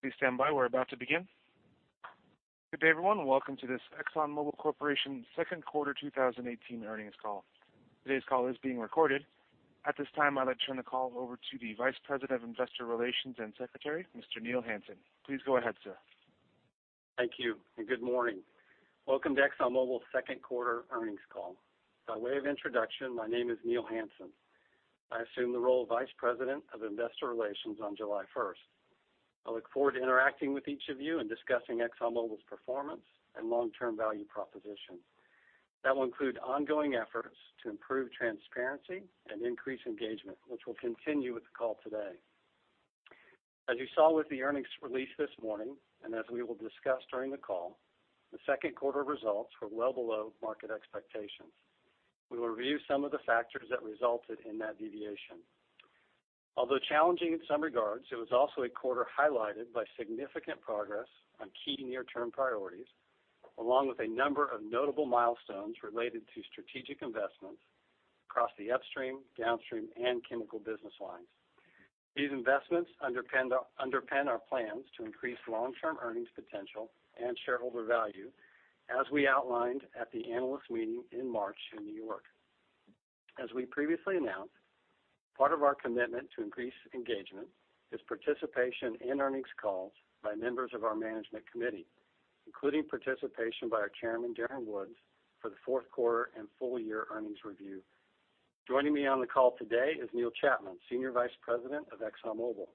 Please stand by. We're about to begin. Good day, everyone. Welcome to this ExxonMobil Corporation second quarter 2018 earnings call. Today's call is being recorded. At this time, I'd like to turn the call over to the Vice President of Investor Relations and Secretary, Mr. Neil Hansen. Please go ahead, sir. Thank you, and good morning. Welcome to ExxonMobil's second quarter earnings call. By way of introduction, my name is Neil Hansen. I assumed the role of Vice President of Investor Relations on July 1st. I look forward to interacting with each of you and discussing ExxonMobil's performance and long-term value proposition. That will include ongoing efforts to improve transparency and increase engagement, which we'll continue with the call today. As you saw with the earnings release this morning, and as we will discuss during the call, the second quarter results were well below market expectations. We will review some of the factors that resulted in that deviation. Although challenging in some regards, it was also a quarter highlighted by significant progress on key near-term priorities, along with a number of notable milestones related to strategic investments across the upstream, downstream, and chemical business lines. These investments underpin our plans to increase long-term earnings potential and shareholder value as we outlined at the analyst meeting in March in New York. As we previously announced, part of our commitment to increase engagement is participation in earnings calls by members of our management committee, including participation by our Chairman, Darren Woods, for the fourth quarter and full year earnings review. Joining me on the call today is Neil Chapman, Senior Vice President of ExxonMobil.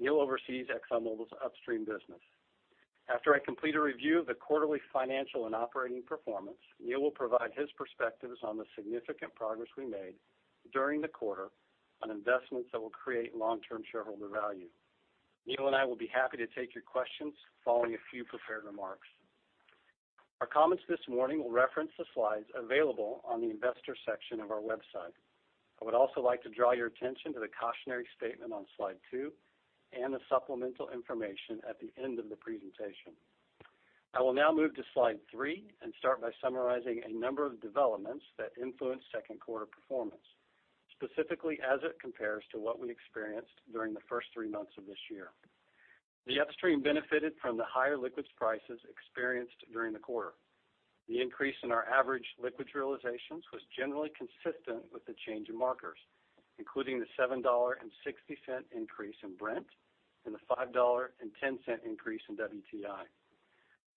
Neil oversees ExxonMobil's upstream business. After I complete a review of the quarterly financial and operating performance, Neil will provide his perspectives on the significant progress we made during the quarter on investments that will create long-term shareholder value. Neil and I will be happy to take your questions following a few prepared remarks. Our comments this morning will reference the slides available on the investor section of our website. I would also like to draw your attention to the cautionary statement on slide two and the supplemental information at the end of the presentation. I will now move to slide three and start by summarizing a number of developments that influenced second quarter performance, specifically as it compares to what we experienced during the first three months of this year. The upstream benefited from the higher liquids prices experienced during the quarter. The increase in our average liquids realizations was generally consistent with the change in markers, including the $7.60 increase in Brent and the $5.10 increase in WTI.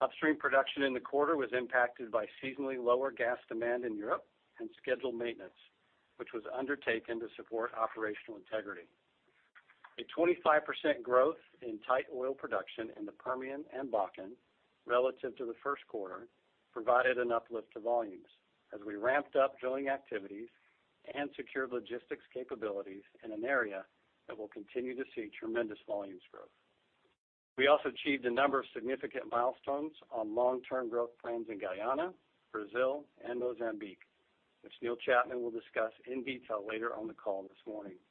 Upstream production in the quarter was impacted by seasonally lower gas demand in Europe and scheduled maintenance, which was undertaken to support operational integrity. A 25% growth in tight oil production in the Permian and Bakken relative to the first quarter provided an uplift to volumes as we ramped up drilling activities and secured logistics capabilities in an area that will continue to see tremendous volumes growth. We also achieved a number of significant milestones on long-term growth plans in Guyana, Brazil, and Mozambique, which Neil Chapman will discuss in detail later on the call this morning.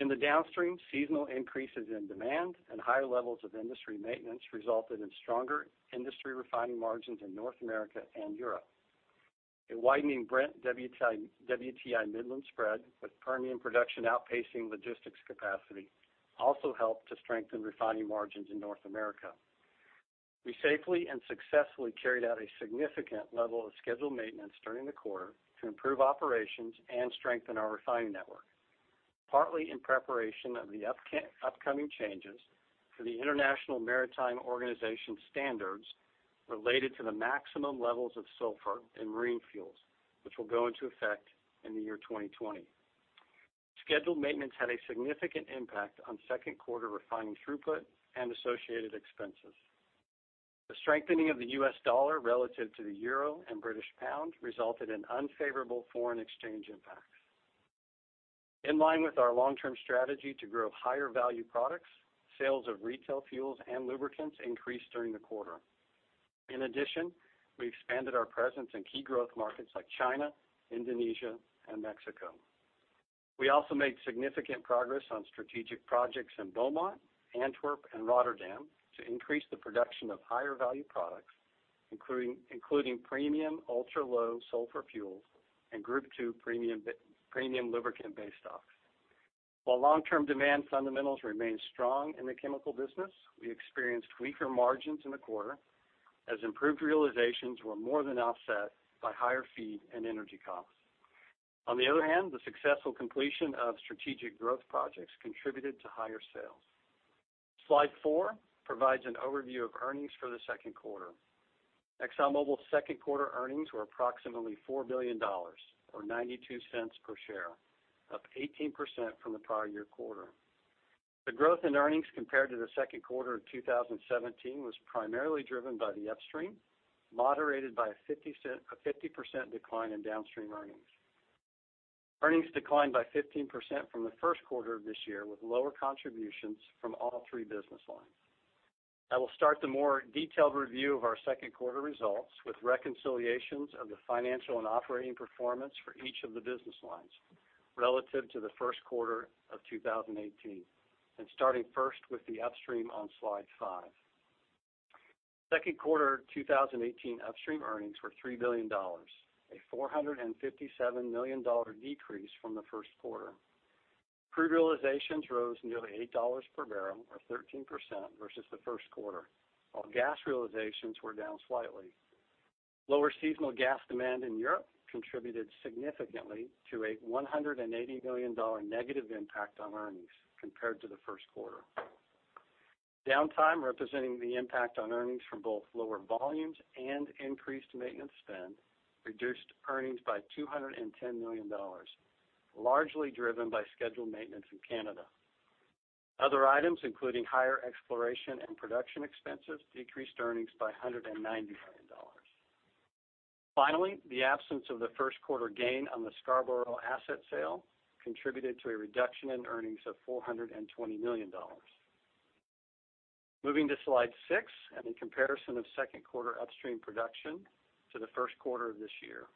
In the downstream, seasonal increases in demand and higher levels of industry maintenance resulted in stronger industry refining margins in North America and Europe. A widening Brent/WTI Midland spread with Permian production outpacing logistics capacity also helped to strengthen refining margins in North America. We safely and successfully carried out a significant level of scheduled maintenance during the quarter to improve operations and strengthen our refining network, partly in preparation of the upcoming changes to the International Maritime Organization standards related to the maximum levels of sulfur in marine fuels, which will go into effect in the year 2020. Scheduled maintenance had a significant impact on second quarter refining throughput and associated expenses. The strengthening of the U.S. dollar relative to the euro and British pound resulted in unfavorable foreign exchange impacts. In line with our long-term strategy to grow higher value products, sales of retail fuels and lubricants increased during the quarter. In addition, we expanded our presence in key growth markets like China, Indonesia, and Mexico. We also made significant progress on strategic projects in Beaumont, Antwerp, and Rotterdam to increase the production of higher value products, including premium ultra-low sulfur fuels and Group 2 premium lubricant base stocks. While long-term demand fundamentals remain strong in the chemical business, we experienced weaker margins in the quarter as improved realizations were more than offset by higher feed and energy costs. On the other hand, the successful completion of strategic growth projects contributed to higher sales. Slide four provides an overview of earnings for the second quarter. ExxonMobil's second quarter earnings were approximately $4 billion, or $0.92 per share, up 18% from the prior year quarter. The growth in earnings compared to the second quarter of 2017 was primarily driven by the upstream, moderated by a 50% decline in downstream earnings. Earnings declined by 15% from the first quarter of this year, with lower contributions from all three business lines. I will start the more detailed review of our second quarter results with reconciliations of the financial and operating performance for each of the business lines relative to the first quarter of 2018, and starting first with the upstream on slide five. Second quarter 2018 upstream earnings were $3 billion, a $457 million decrease from the first quarter. Crude realizations rose nearly $8 per barrel, or 13% versus the first quarter, while gas realizations were down slightly. Lower seasonal gas demand in Europe contributed significantly to a $180 million negative impact on earnings compared to the first quarter. Downtime representing the impact on earnings from both lower volumes and increased maintenance spend reduced earnings by $210 million, largely driven by scheduled maintenance in Canada. Other items, including higher exploration and production expenses, decreased earnings by $190 million. The absence of the first quarter gain on the Scarborough asset sale contributed to a reduction in earnings of $420 million. Moving to slide six and a comparison of second quarter upstream production to the first quarter of this year.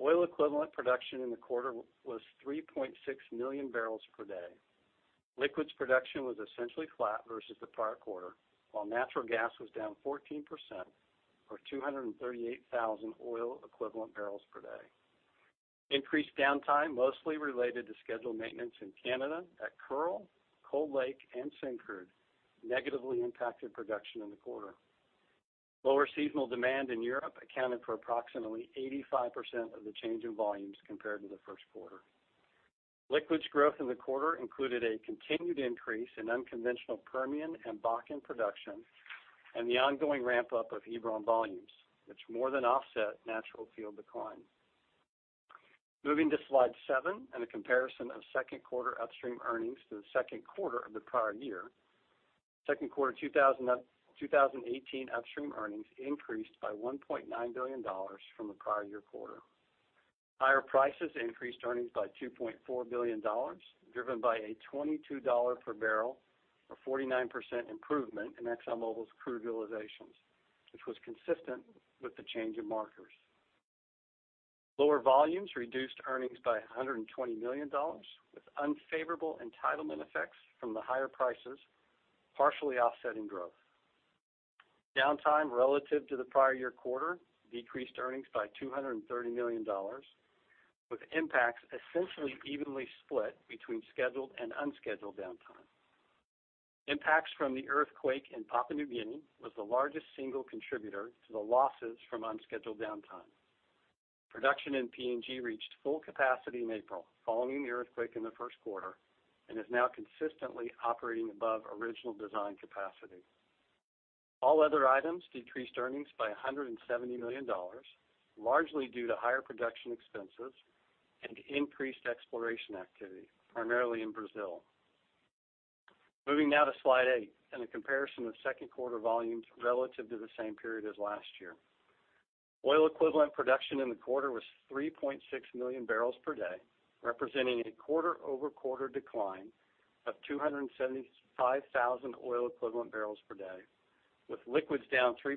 Oil equivalent production in the quarter was 3.6 million barrels per day. Liquids production was essentially flat versus the prior quarter, while natural gas was down 14%, or 238,000 oil equivalent barrels per day. Increased downtime, mostly related to scheduled maintenance in Canada at Kearl, Cold Lake, and Syncrude, negatively impacted production in the quarter. Lower seasonal demand in Europe accounted for approximately 85% of the change in volumes compared to the first quarter. Liquids growth in the quarter included a continued increase in unconventional Permian and Bakken production and the ongoing ramp-up of Hebron volumes, which more than offset natural field decline. Moving to slide seven and a comparison of second quarter upstream earnings to the second quarter of the prior year. Second quarter 2018 upstream earnings increased by $1.9 billion from the prior year quarter. Higher prices increased earnings by $2.4 billion, driven by a $22 per barrel or 49% improvement in ExxonMobil's crude utilizations, which was consistent with the change in markers. Lower volumes reduced earnings by $120 million, with unfavorable entitlement effects from the higher prices partially offsetting growth. Downtime relative to the prior year quarter decreased earnings by $230 million, with impacts essentially evenly split between scheduled and unscheduled downtime. Impacts from the earthquake in Papua New Guinea was the largest single contributor to the losses from unscheduled downtime. Production in PNG reached full capacity in April following the earthquake in the first quarter and is now consistently operating above original design capacity. All other items decreased earnings by $170 million, largely due to higher production expenses and increased exploration activity, primarily in Brazil. Moving now to slide eight and a comparison of second quarter volumes relative to the same period as last year. Oil equivalent production in the quarter was 3.6 million barrels per day, representing a quarter-over-quarter decline of 275,000 oil equivalent barrels per day, with liquids down 3%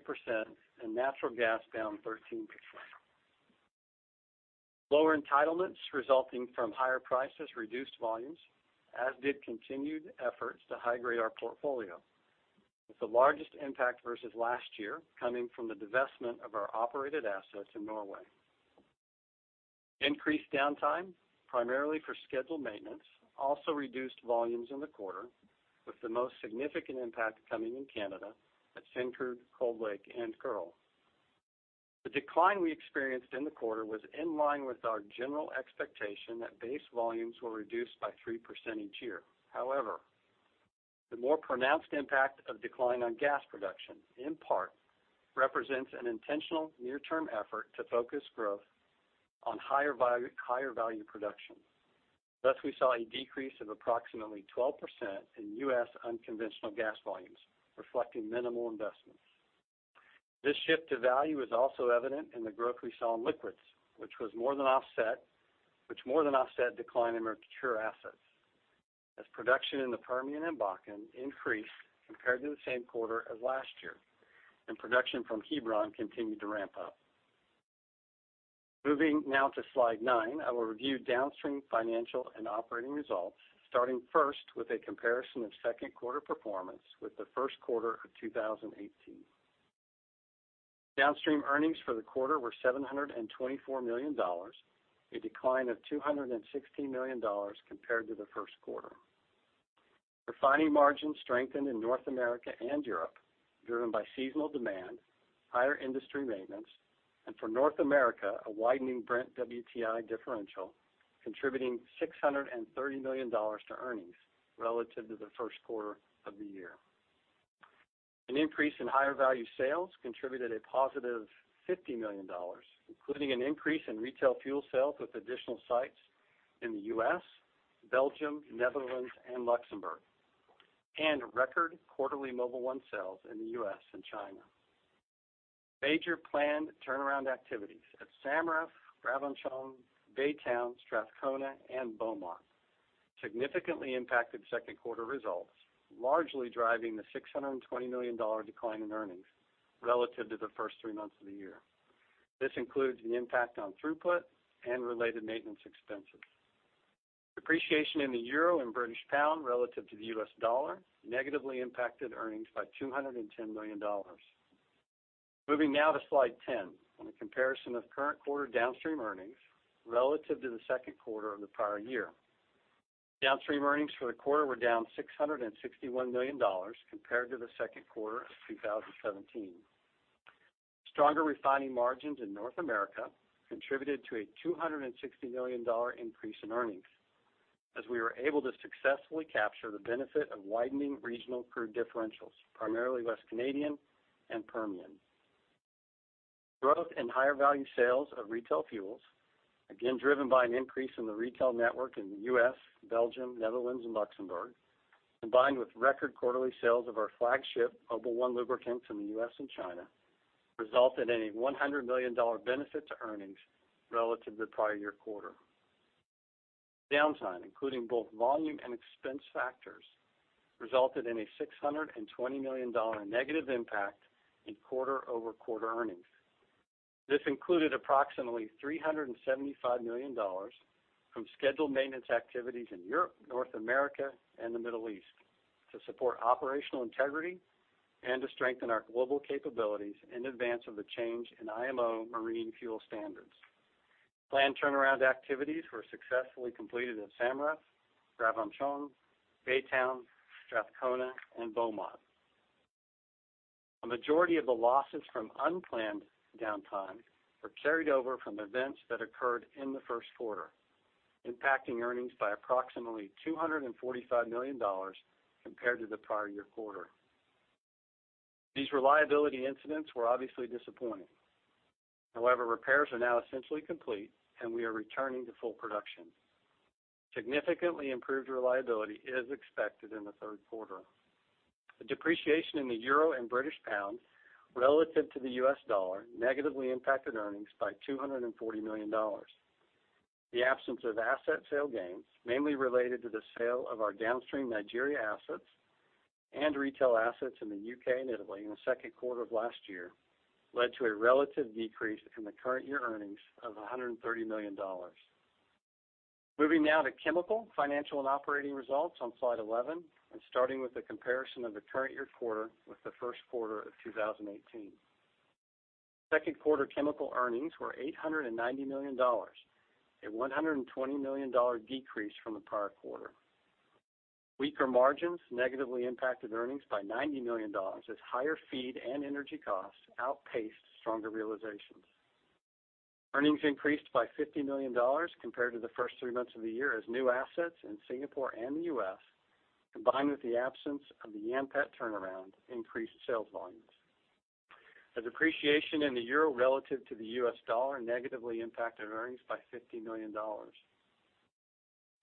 and natural gas down 13%. Lower entitlements resulting from higher prices reduced volumes, as did continued efforts to high-grade our portfolio, with the largest impact versus last year coming from the divestment of our operated assets in Norway. Increased downtime, primarily for scheduled maintenance, also reduced volumes in the quarter, with the most significant impact coming in Canada at Syncrude, Cold Lake, and Kearl. The decline we experienced in the quarter was in line with our general expectation that base volumes will reduce by 3% each year. The more pronounced impact of decline on gas production in part represents an intentional near-term effort to focus growth on higher value production. We saw a decrease of approximately 12% in U.S. unconventional gas volumes, reflecting minimal investments. This shift to value is also evident in the growth we saw in liquids, which more than offset decline in mature assets as production in the Permian and Bakken increased compared to the same quarter as last year, and production from Hebron continued to ramp up. Moving now to slide nine, I will review downstream financial and operating results, starting first with a comparison of second quarter performance with the first quarter of 2018. Downstream earnings for the quarter were $724 million, a decline of $216 million compared to the first quarter. Refining margins strengthened in North America and Europe, driven by seasonal demand, higher industry maintenance, and for North America, a widening Brent WTI differential contributing $630 million to earnings relative to the first quarter of the year. An increase in higher value sales contributed a positive $50 million, including an increase in retail fuel sales with additional sites in the U.S., Belgium, Netherlands, and Luxembourg, and record quarterly Mobil 1 sales in the U.S. and China. Major planned turnaround activities at SAMREF, Gravenchon, Baytown, Strathcona, and Beaumont significantly impacted second quarter results, largely driving the $620 million decline of earnings relative to the first three months of the year. This includes the impact on throughput and related maintenance expenses. Depreciation in the EUR and British pound relative to the U.S. dollar negatively impacted earnings by $210 million. Moving now to slide 10 on the comparison of current quarter downstream earnings relative to the second quarter of the prior year. Downstream earnings for the quarter were down $661 million compared to the second quarter of 2017. Stronger refining margins in North America contributed to a $260 million increase in earnings, as we were able to successfully capture the benefit of widening regional crude differentials, primarily West Canadian and Permian. Growth in higher value sales of retail fuels, again driven by an increase in the retail network in the U.S., Belgium, Netherlands, and Luxembourg, combined with record quarterly sales of our flagship Mobil 1 lubricants in the U.S. and China, resulted in a $100 million benefit to earnings relative to the prior year quarter. Downtime, including both volume and expense factors, resulted in a $620 million negative impact in quarter-over-quarter earnings. This included approximately $375 million from scheduled maintenance activities in Europe, North America, and the Middle East to support operational integrity and to strengthen our global capabilities in advance of the change in IMO marine fuel standards. Planned turnaround activities were successfully completed at SAMREF, Gravenchon, Baytown, Strathcona, and Beaumont. A majority of the losses from unplanned downtime were carried over from events that occurred in the first quarter, impacting earnings by approximately $245 million compared to the prior year quarter. These reliability incidents were obviously disappointing. However, repairs are now essentially complete, and we are returning to full production. Significantly improved reliability is expected in the third quarter. The depreciation in the EUR and British pound relative to the U.S. dollar negatively impacted earnings by $240 million. The absence of asset sale gains, mainly related to the sale of our downstream Nigeria assets and retail assets in the U.K. and Italy in the second quarter of last year, led to a relative decrease in the current year earnings of $130 million. Moving now to chemical financial and operating results on slide 11, and starting with the comparison of the current year quarter with the first quarter of 2018. Second quarter chemical earnings were $890 million, a $120 million decrease from the prior quarter. Weaker margins negatively impacted earnings by $90 million as higher feed and energy costs outpaced stronger realizations. Earnings increased by $50 million compared to the first three months of the year as new assets in Singapore and the U.S., combined with the absence of the Yanpet turnaround, increased sales volumes. A depreciation in the euro relative to the U.S. dollar negatively impacted earnings by $50 million.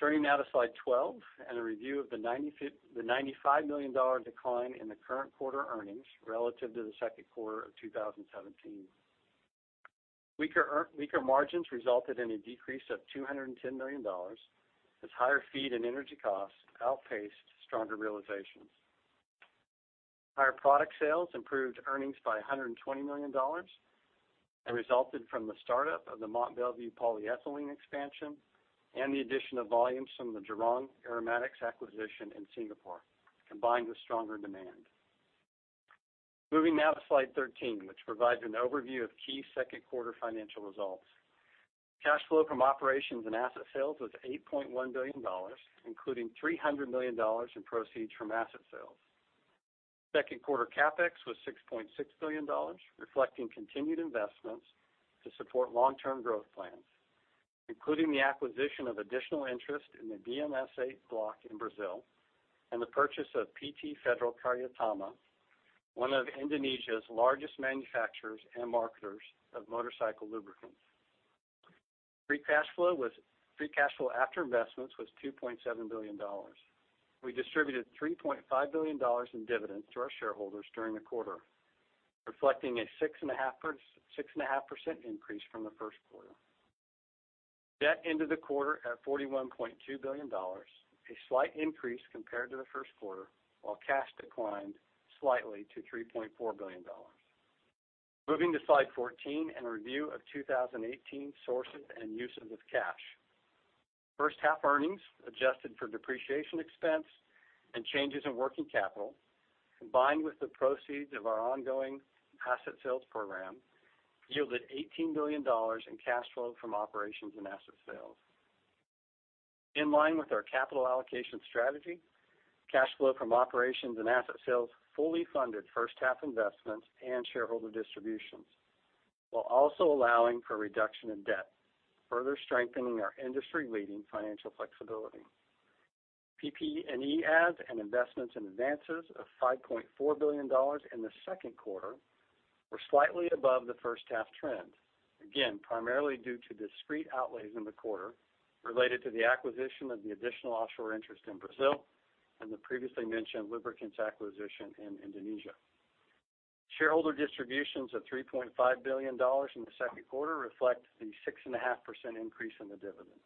Turning now to slide 12, and a review of the $95 million decline in the current quarter earnings relative to the second quarter of 2017. Weaker margins resulted in a decrease of $210 million, as higher feed and energy costs outpaced stronger realizations. Higher product sales improved earnings by $120 million and resulted from the startup of the Mont Belvieu polyethylene expansion and the addition of volumes from the Jurong Aromatics acquisition in Singapore, combined with stronger demand. Moving now to slide 13, which provides an overview of key second quarter financial results. Cash flow from operations and asset sales was $8.1 billion, including $300 million in proceeds from asset sales. Second quarter CapEx was $6.6 billion, reflecting continued investments to support long-term growth plans, including the acquisition of additional interest in the BM-S-8 block in Brazil and the purchase of PT Federal Karyatama, one of Indonesia's largest manufacturers and marketers of motorcycle lubricants. Free cash flow after investments was $2.7 billion. We distributed $3.5 billion in dividends to our shareholders during the quarter, reflecting a 6.5% increase from the first quarter. Debt into the quarter at $41.2 billion, a slight increase compared to the first quarter, while cash declined slightly to $3.4 billion. Moving to slide 14, and a review of 2018 sources and uses of cash. First half earnings adjusted for depreciation expense and changes in working capital, combined with the proceeds of our ongoing asset sales program, yielded $18 million in cash flow from operations and asset sales. In line with our capital allocation strategy, cash flow from operations and asset sales fully funded first half investments and shareholder distributions while also allowing for reduction in debt, further strengthening our industry-leading financial flexibility. PP&E adds and investments in advances of $5.4 billion in the second quarter were slightly above the first half trend, again, primarily due to discrete outlays in the quarter related to the acquisition of the additional offshore interest in Brazil and the previously mentioned lubricants acquisition in Indonesia. Shareholder distributions of $3.5 billion in the second quarter reflect the 6.5% increase in the dividend.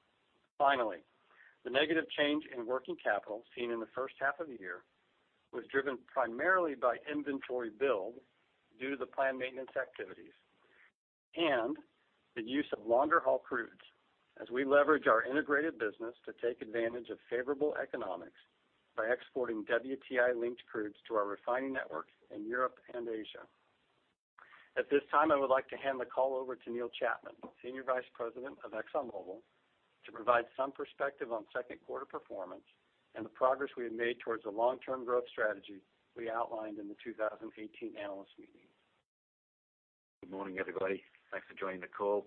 The negative change in working capital seen in the first half of the year was driven primarily by inventory build due to the planned maintenance activities and the use of longer-haul crudes as we leverage our integrated business to take advantage of favorable economics by exporting WTI-linked crudes to our refining networks in Europe and Asia. At this time, I would like to hand the call over to Neil Chapman, Senior Vice President of ExxonMobil, to provide some perspective on second quarter performance and the progress we have made towards the long-term growth strategy we outlined in the 2018 analyst meeting. Good morning, everybody. Thanks for joining the call.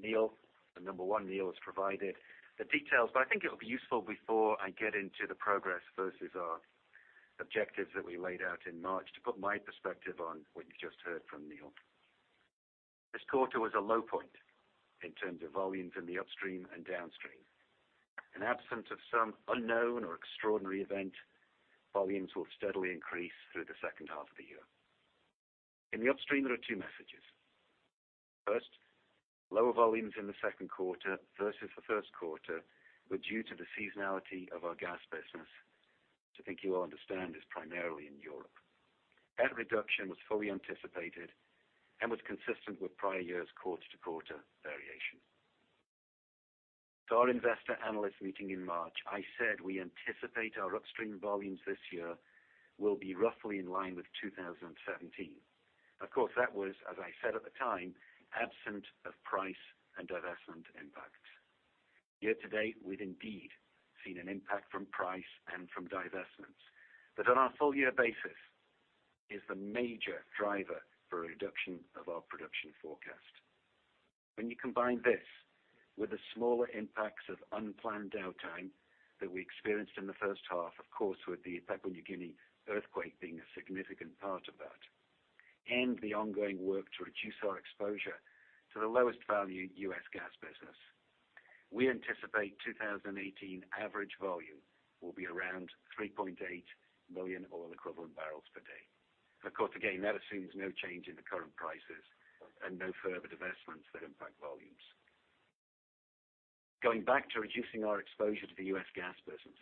Neil, the number one Neil has provided the details, but I think it will be useful before I get into the progress versus our objectives that we laid out in March to put my perspective on what you just heard from Neil. This quarter was a low point in terms of volumes in the upstream and downstream. In absence of some unknown or extraordinary event, volumes will steadily increase through the second half of the year. In the upstream, there are two messages. First, lower volumes in the second quarter versus the first quarter were due to the seasonality of our gas business, which I think you all understand is primarily in Europe. That reduction was fully anticipated and was consistent with prior years' quarter-to-quarter variation. At our investor analyst meeting in March, I said we anticipate our upstream volumes this year will be roughly in line with 2017. Of course, that was, as I said at the time, absent of price and divestment impact. Year-to-date, we've indeed seen an impact from price and from divestments. On a full year basis is the major driver for a reduction of our production forecast. When you combine this with the smaller impacts of unplanned downtime that we experienced in the first half, of course, with the Papua New Guinea earthquake being a significant part of that, and the ongoing work to reduce our exposure to the lowest value U.S. gas business, we anticipate 2018 average volume will be around 3.8 million oil equivalent barrels per day. Of course, again, that assumes no change in the current prices and no further divestments that impact volumes. Going back to reducing our exposure to the U.S. gas business,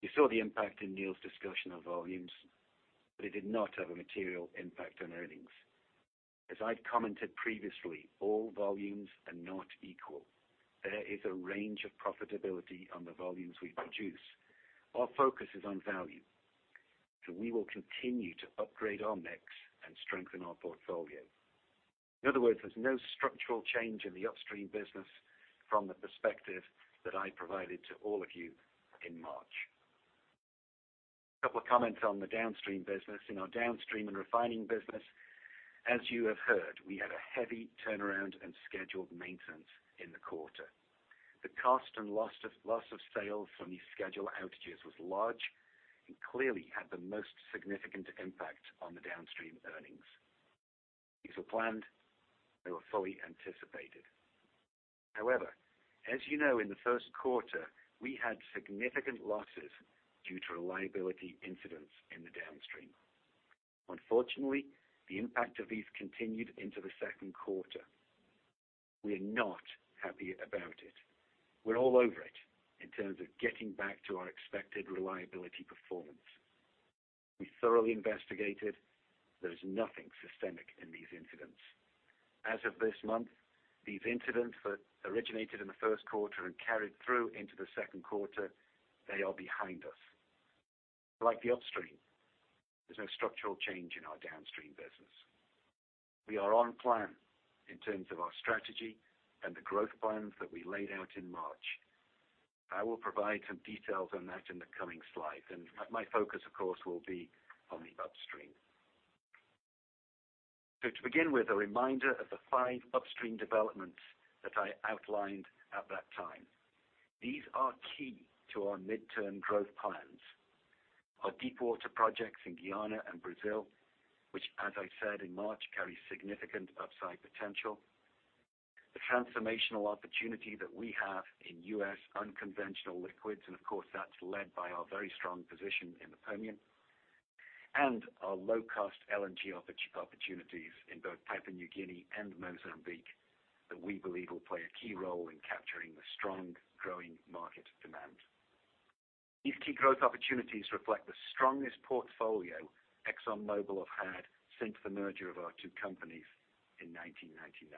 you saw the impact in Neil's discussion of volumes, it did not have a material impact on earnings. As I'd commented previously, all volumes are not equal. There is a range of profitability on the volumes we produce. Our focus is on value, we will continue to upgrade our mix and strengthen our portfolio. In other words, there's no structural change in the upstream business from the perspective that I provided to all of you in March. A couple of comments on the downstream business. In our downstream and refining business, as you have heard, we had a heavy turnaround and scheduled maintenance in the quarter. The cost and loss of sales from these scheduled outages was large and clearly had the most significant impact on the downstream earnings. These were planned, they were fully anticipated. As you know, in Q1, we had significant losses due to reliability incidents in the downstream. Unfortunately, the impact of these continued into Q2. We are not happy about it. We're all over it in terms of getting back to our expected reliability performance. We thoroughly investigated. There is nothing systemic in these incidents. As of this month, these incidents that originated in Q1 and carried through into Q2, they are behind us. Like the upstream, there's no structural change in our downstream business. We are on plan in terms of our strategy and the growth plans that we laid out in March. I will provide some details on that in the coming slides, and my focus, of course, will be on the upstream. To begin with, a reminder of the five upstream developments that I outlined at that time. These are key to our midterm growth plans. Our deep water projects in Guyana and Brazil, which, as I said in March, carry significant upside potential. The transformational opportunity that we have in U.S. unconventional liquids, and of course, that's led by our very strong position in the Permian. Our low-cost LNG opportunities in both Papua New Guinea and Mozambique that we believe will play a key role in capturing the strong, growing market demand. These key growth opportunities reflect the strongest portfolio ExxonMobil have had since the merger of our two companies in 1999.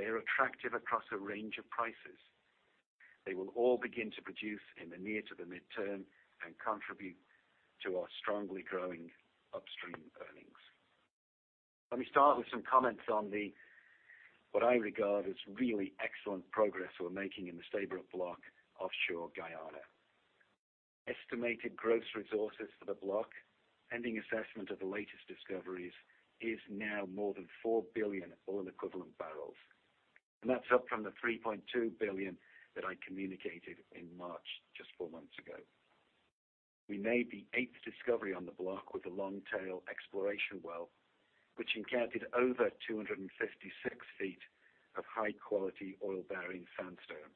They are attractive across a range of prices. They will all begin to produce in the near to the midterm and contribute to our strongly growing upstream earnings. Let me start with some comments on what I regard as really excellent progress we're making in the Stabroek Block offshore Guyana. Estimated gross resources for the block pending assessment of the latest discoveries is now more than $4 billion oil equivalent barrels. That's up from the $3.2 billion that I communicated in March, just 4 months ago. We made the eighth discovery on the block with a Longtail exploration well, which encountered over 256 feet of high-quality oil-bearing sandstone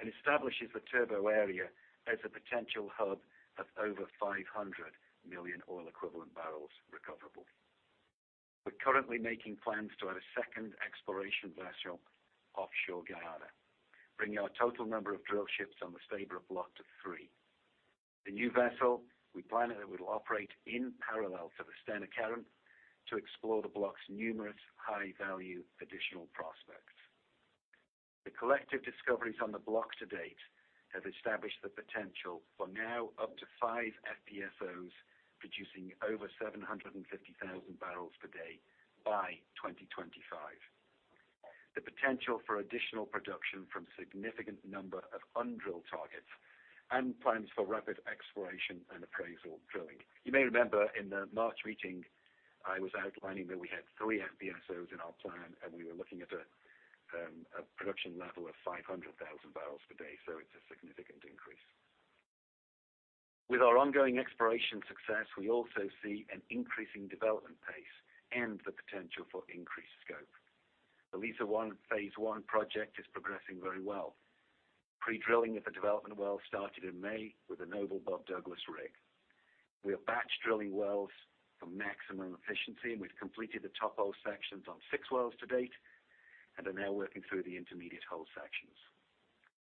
and establishes the Turbot area as a potential hub of over $500 million oil equivalent barrels recoverable. We're currently making plans to add a second exploration vessel offshore Guyana, bringing our total number of drill ships on the Stabroek Block to three. The new vessel, we plan that it will operate in parallel to the Stena Carron to explore the block's numerous high-value additional prospects. The collective discoveries on the block to date have established the potential for now up to five FPSOs producing over 750,000 barrels per day by 2025. The potential for additional production from a significant number of undrilled targets and plans for rapid exploration and appraisal drilling. You may remember in the March meeting, I was outlining that we had three FPSOs in our plan, and we were looking at a production level of 500,000 barrels per day, so it's a significant increase. With our ongoing exploration success, we also see an increasing development pace and the potential for increased scope. The Liza One, phase one project is progressing very well. Pre-drilling of the development wells started in May with a Noble Bob Douglas rig. We are batch drilling wells for maximum efficiency, and we've completed the top hole sections on six wells to date and are now working through the intermediate hole sections.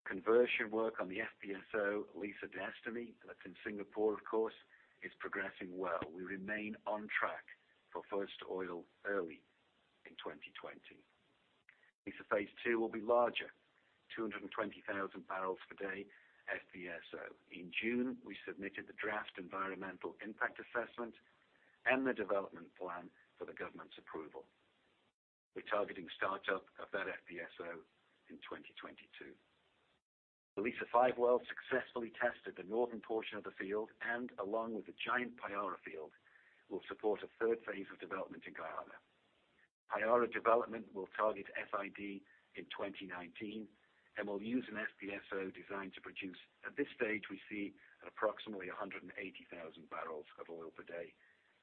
Conversion work on the FPSO Liza Destiny, that's in Singapore of course, is progressing well. We remain on track for first oil early in 2020. Liza Phase 2 will be larger, 220,000 barrels per day FPSO. In June, we submitted the draft environmental impact assessment and the development plan for the government's approval. We're targeting startup of that FPSO in 2022. The Liza-5 well successfully tested the northern portion of the field and along with the giant Payara field, will support a third Phase of development in Guyana. Payara development will target FID in 2019 and will use an FPSO designed to produce. At this stage, we see at approximately 180,000 barrels of oil per day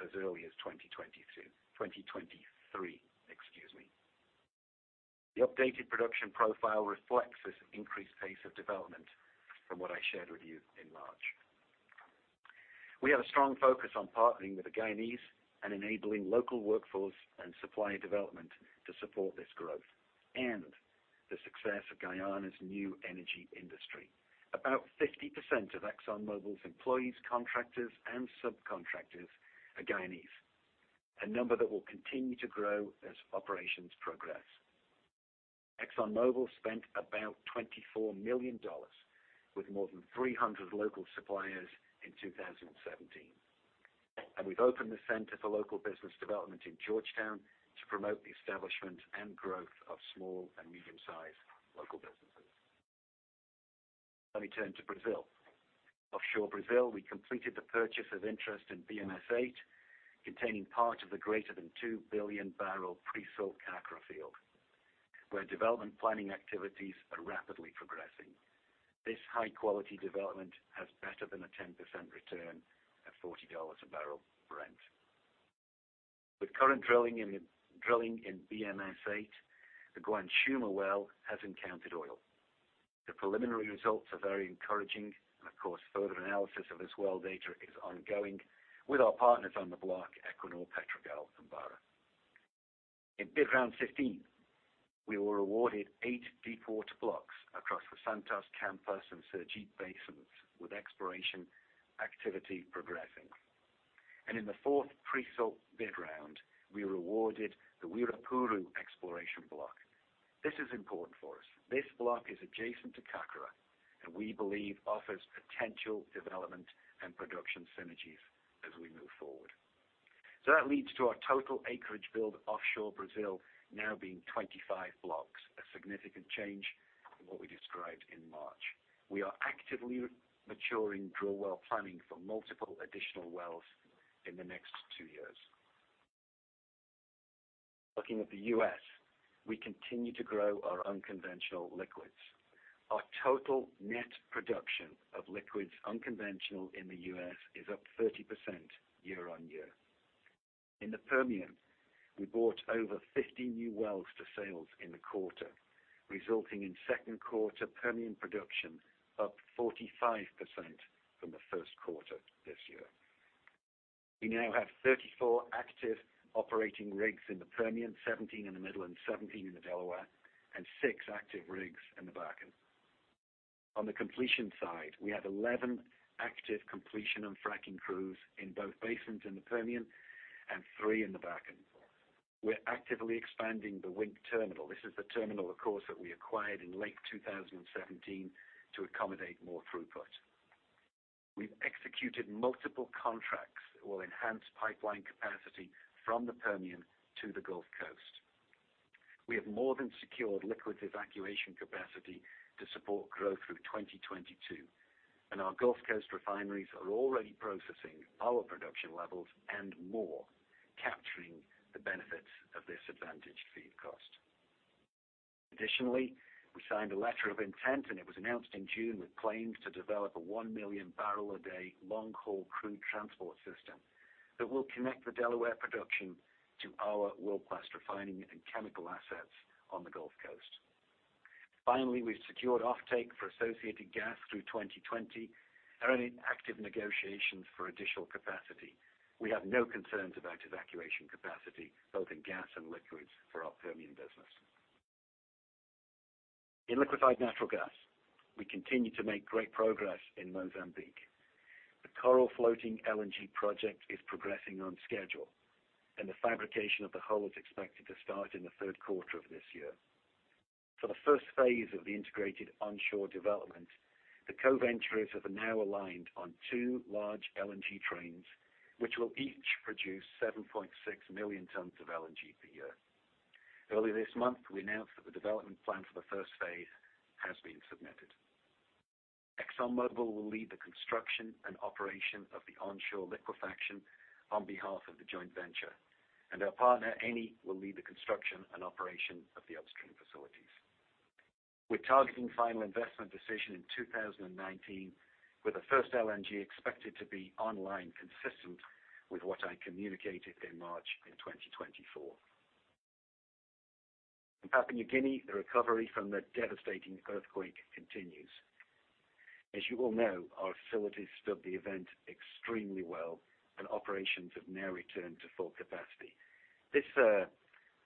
as early as 2022. 2023, excuse me. The updated production profile reflects this increased pace of development from what I shared with you in March. We have a strong focus on partnering with the Guyanese and enabling local workforce and supplier development to support this growth and the success of Guyana's new energy industry. About 50% of ExxonMobil's employees, contractors, and subcontractors are Guyanese. A number that will continue to grow as operations progress. ExxonMobil spent about $24 million with more than 300 local suppliers in 2017. And we've opened the Centre for Local Business Development in Georgetown to promote the establishment and growth of small and medium-sized local businesses. Let me turn to Brazil. Offshore Brazil, we completed the purchase of interest in BM-S-8, containing part of the greater than 2 billion barrel pre-salt Carcara field, where development planning activities are rapidly progressing. This high-quality development has better than a 10% return at $40 a barrel Brent. With current drilling in BM-S-8, the Guanxuma well has encountered oil. The preliminary results are very encouraging, and of course, further analysis of this well data is ongoing with our partners on the block, Equinor, Petrogal, and Barra. In Bid Round 15, we were awarded eight deepwater blocks across the Santos, Campos, and Sergipe basins, with exploration activity progressing. And in the fourth pre-salt bid round, we were awarded the Uirapuru exploration block. This is important for us. This block is adjacent to Carcara, and we believe offers potential development and production synergies as we move forward. So that leads to our total acreage build offshore Brazil now being 25 blocks, a significant change from what we described in March. We are actively maturing drill well planning for multiple additional wells in the next two years. Looking at the U.S., we continue to grow our unconventional liquids. Our total net production of liquids unconventional in the U.S. is up 30% year-on-year. In the Permian, we brought over 50 new wells to sales in the quarter, resulting in second quarter Permian production up 45% from the first quarter this year. We now have 34 active operating rigs in the Permian, 17 in the Midland and 17 in the Delaware, and six active rigs in the Bakken. On the completion side, we have 11 active completion and fracking crews in both basins in the Permian and three in the Bakken. We're actively expanding the Wink terminal. This is the terminal, of course, that we acquired in late 2017 to accommodate more throughput. We've executed multiple contracts that will enhance pipeline capacity from the Permian to the Gulf Coast. We have more than secured liquids evacuation capacity to support growth through 2022, and our Gulf Coast refineries are already processing our production levels and more, capturing the benefits of this advantaged feed cost. Additionally, we signed a letter of intent, and it was announced in June with plans to develop a 1 million barrel a day long-haul crude transport system that will connect the Delaware production to our world-class refining and chemical assets on the Gulf Coast. Finally, we've secured offtake for associated gas through 2020 and are in active negotiations for additional capacity. We have no concerns about evacuation capacity, both in gas and liquids for our Permian business. In liquefied natural gas, we continue to make great progress in Mozambique. The Coral floating LNG project is progressing on schedule, and the fabrication of the hull is expected to start in the third quarter of this year. For the first phase of the integrated onshore development, the co-venturers are now aligned on two large LNG trains, which will each produce 7.6 million tons of LNG per year. Early this month, we announced that the development plan for the first phase has been submitted. ExxonMobil will lead the construction and operation of the onshore liquefaction on behalf of the joint venture, and our partner, Eni, will lead the construction and operation of the upstream facilities. We're targeting final investment decision in 2019, with the first LNG expected to be online consistent with what I communicated in March in 2024. In Papua New Guinea, the recovery from the devastating earthquake continues. As you all know, our facilities stood the event extremely well, and operations have now returned to full capacity.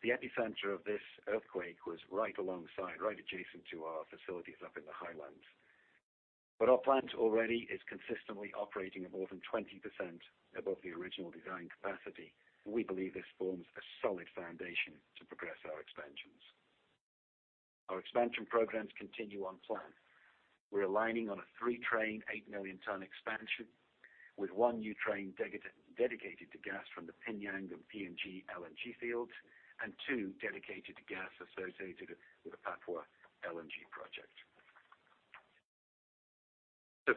The epicenter of this earthquake was right alongside, right adjacent to our facilities up in the highlands. Our plant already is consistently operating at more than 20% above the original design capacity, and we believe this forms a solid foundation to progress our expansions. Our expansion programs continue on plan. We're aligning on a three-train, eight-million-ton expansion with one new train dedicated to gas from the PNG LNG fields and two dedicated to gas associated with the Papua LNG project.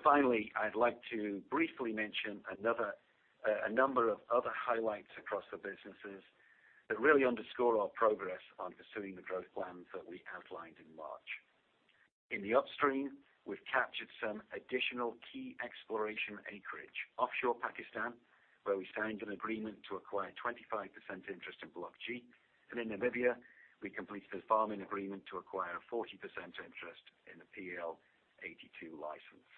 Finally, I'd like to briefly mention a number of other highlights across the businesses that really underscore our progress on pursuing the growth plans that we outlined in March. In the upstream, we've captured some additional key exploration acreage offshore Pakistan, where we signed an agreement to acquire 25% interest in Block G. In Namibia, we completed a farming agreement to acquire a 40% interest in the PEL 82 license.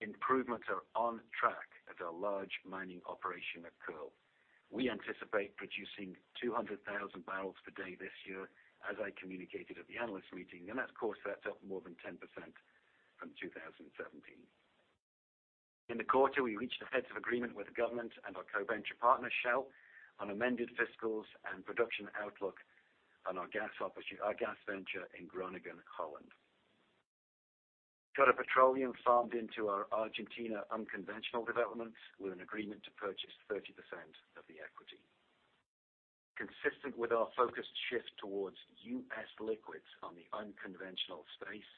Improvements are on track at our large mining operation at Kearl. We anticipate producing 200,000 barrels per day this year, as I communicated at the analyst meeting, and that's, of course, that's up more than 10% from 2017. In the quarter, we reached a heads of agreement with the government and our co-venture partner, Shell, on amended fiscals and production outlook on our gas venture in Groningen, Holland. Total farmed into our Argentina unconventional developments with an agreement to purchase 30% of the equity. Consistent with our focused shift towards U.S. liquids on the unconventional space,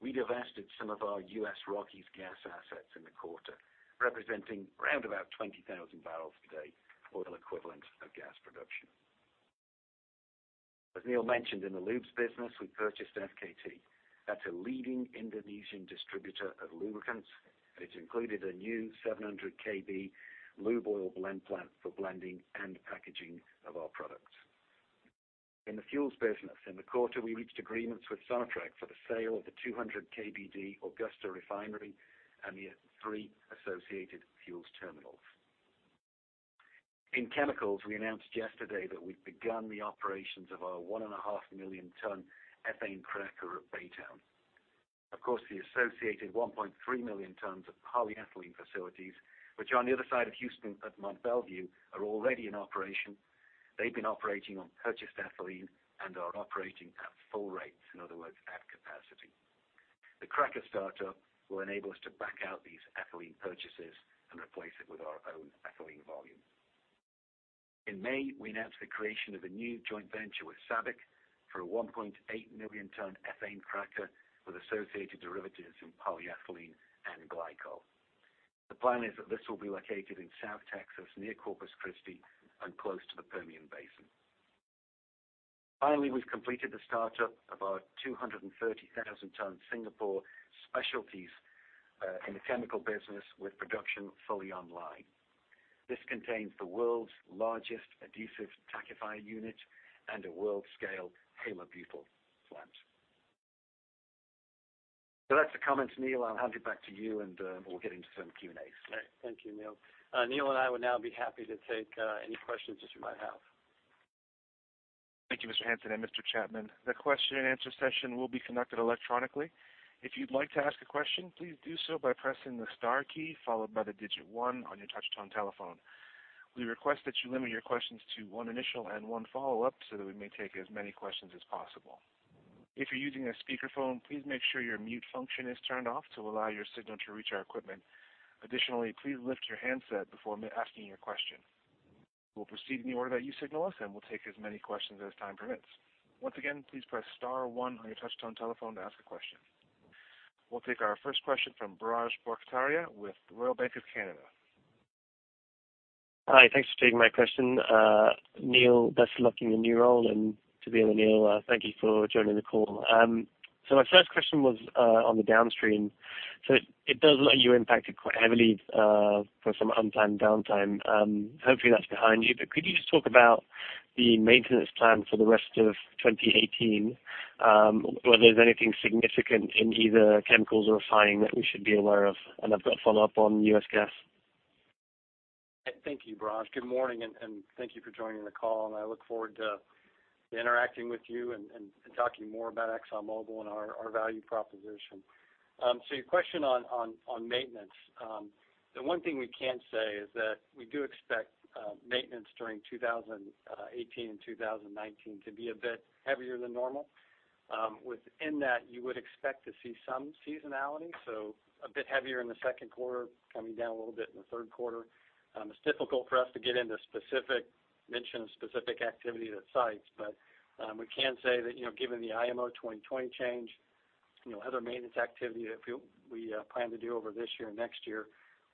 we divested some of our U.S. Rockies gas assets in the quarter, representing around about 20,000 barrels per day or the equivalent of gas production. As Neil mentioned, in the lubes business, we purchased FKT. That's a leading Indonesian distributor of lubricants, and it's included a new 700 KB lube oil blend plant for blending and packaging of our products. In the fuels business, in the quarter, we reached agreements with Sonatrach for the sale of the 200 KBD Augusta refinery and the three associated fuels terminals. In chemicals, we announced yesterday that we've begun the operations of our one and a half million ton ethane cracker at Baytown. Of course, the associated 1.3 million tons of polyethylene facilities, which are on the other side of Houston at Mont Belvieu, are already in operation. They've been operating on purchased ethylene and are operating at full rates, in other words, at capacity. The cracker startup will enable us to back out these ethylene purchases and replace it with our own ethylene volume. In May, we announced the creation of a new joint venture with SABIC for a 1.8 million ton ethane cracker with associated derivatives in polyethylene and glycol. The plan is that this will be located in South Texas, near Corpus Christi and close to the Permian Basin. Finally, we've completed the startup of our 230,000 ton Singapore specialties, in the chemical business with production fully online. This contains the world's largest adhesive tackifier unit and a world-scale halobutyl plant. That's the comments. Neil, I'll hand it back to you, and we'll get into some Q&As. Great. Thank you, Neil. Neil and I would now be happy to take any questions that you might have. Thank you, Mr. Hansen and Mr. Chapman. The question and answer session will be conducted electronically. If you'd like to ask a question, please do so by pressing the star key followed by the digit one on your touch-tone telephone. We request that you limit your questions to one initial and one follow-up so that we may take as many questions as possible. If you're using a speakerphone, please make sure your mute function is turned off to allow your signal to reach our equipment. Additionally, please lift your handset before asking your question. We'll proceed in the order that you signal us, and we'll take as many questions as time permits. Once again, please press star one on your touch-tone telephone to ask a question. We'll take our first question from Biraj Borkhataria with Royal Bank of Canada. Hi. Thanks for taking my question. Neil, best of luck in your new role, and to Neil, thank you for joining the call. My first question was on the downstream. It does look like you were impacted quite heavily, for some unplanned downtime. Hopefully, that's behind you, but could you just talk about the maintenance plan for the rest of 2018, whether there's anything significant in either chemicals or refining that we should be aware of? I've got a follow-up on U.S. gas. Thank you, Raj. Good morning, thank you for joining the call. I look forward to interacting with you and talking more about ExxonMobil and our value proposition. Your question on maintenance. The one thing we can say is that we do expect maintenance during 2018 and 2019 to be a bit heavier than normal. Within that, you would expect to see some seasonality, a bit heavier in the second quarter, coming down a little bit in the third quarter. It's difficult for us to get into specific mention of specific activity at sites. We can say that, given the IMO 2020 change, other maintenance activity that we plan to do over this year and next year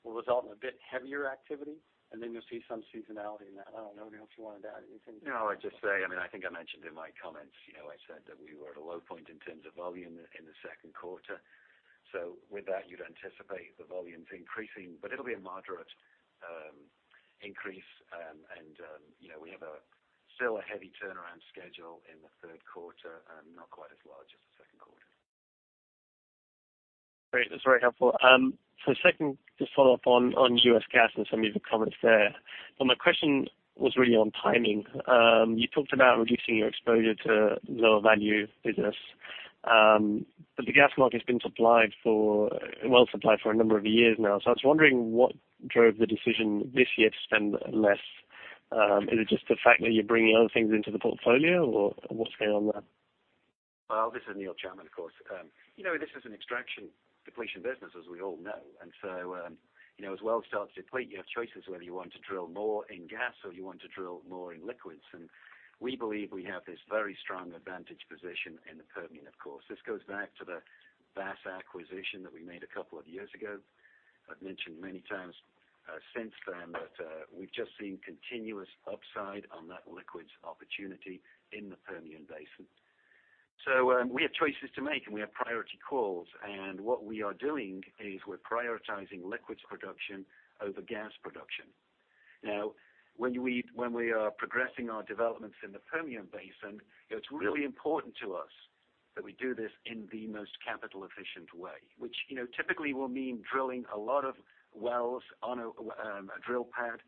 will result in a bit heavier activity, and then you'll see some seasonality in that. I don't know, Neil, if you want to add anything to that. No, I'd just say, I think I mentioned in my comments, I said that we were at a low point in terms of volume in the second quarter. With that, you'd anticipate the volumes increasing, but it'll be a moderate increase. We have still a heavy turnaround schedule in the third quarter, not quite as large as the second quarter. Great. That's very helpful. Second, just follow up on U.S. gas and some of your comments there. My question was really on timing. You talked about reducing your exposure to lower value business. The gas market's been well supplied for a number of years now. I was wondering what drove the decision this year to spend less. Is it just the fact that you're bringing other things into the portfolio, or what's going on there? Well, this is Neil Chapman, of course. This is an extraction depletion business, as we all know. As wells start to deplete, you have choices whether you want to drill more in gas or you want to drill more in liquids. We believe we have this very strong advantage position in the Permian, of course. This goes back to the Bass acquisition that we made a couple of years ago. I've mentioned many times since then that we've just seen continuous upside on that liquids opportunity in the Permian Basin. We have choices to make, and we have priority calls, and what we are doing is we're prioritizing liquids production over gas production. Now, when we are progressing our developments in the Permian Basin, it's really important to us that we do this in the most capital-efficient way, which typically will mean drilling a lot of wells on a drill pad.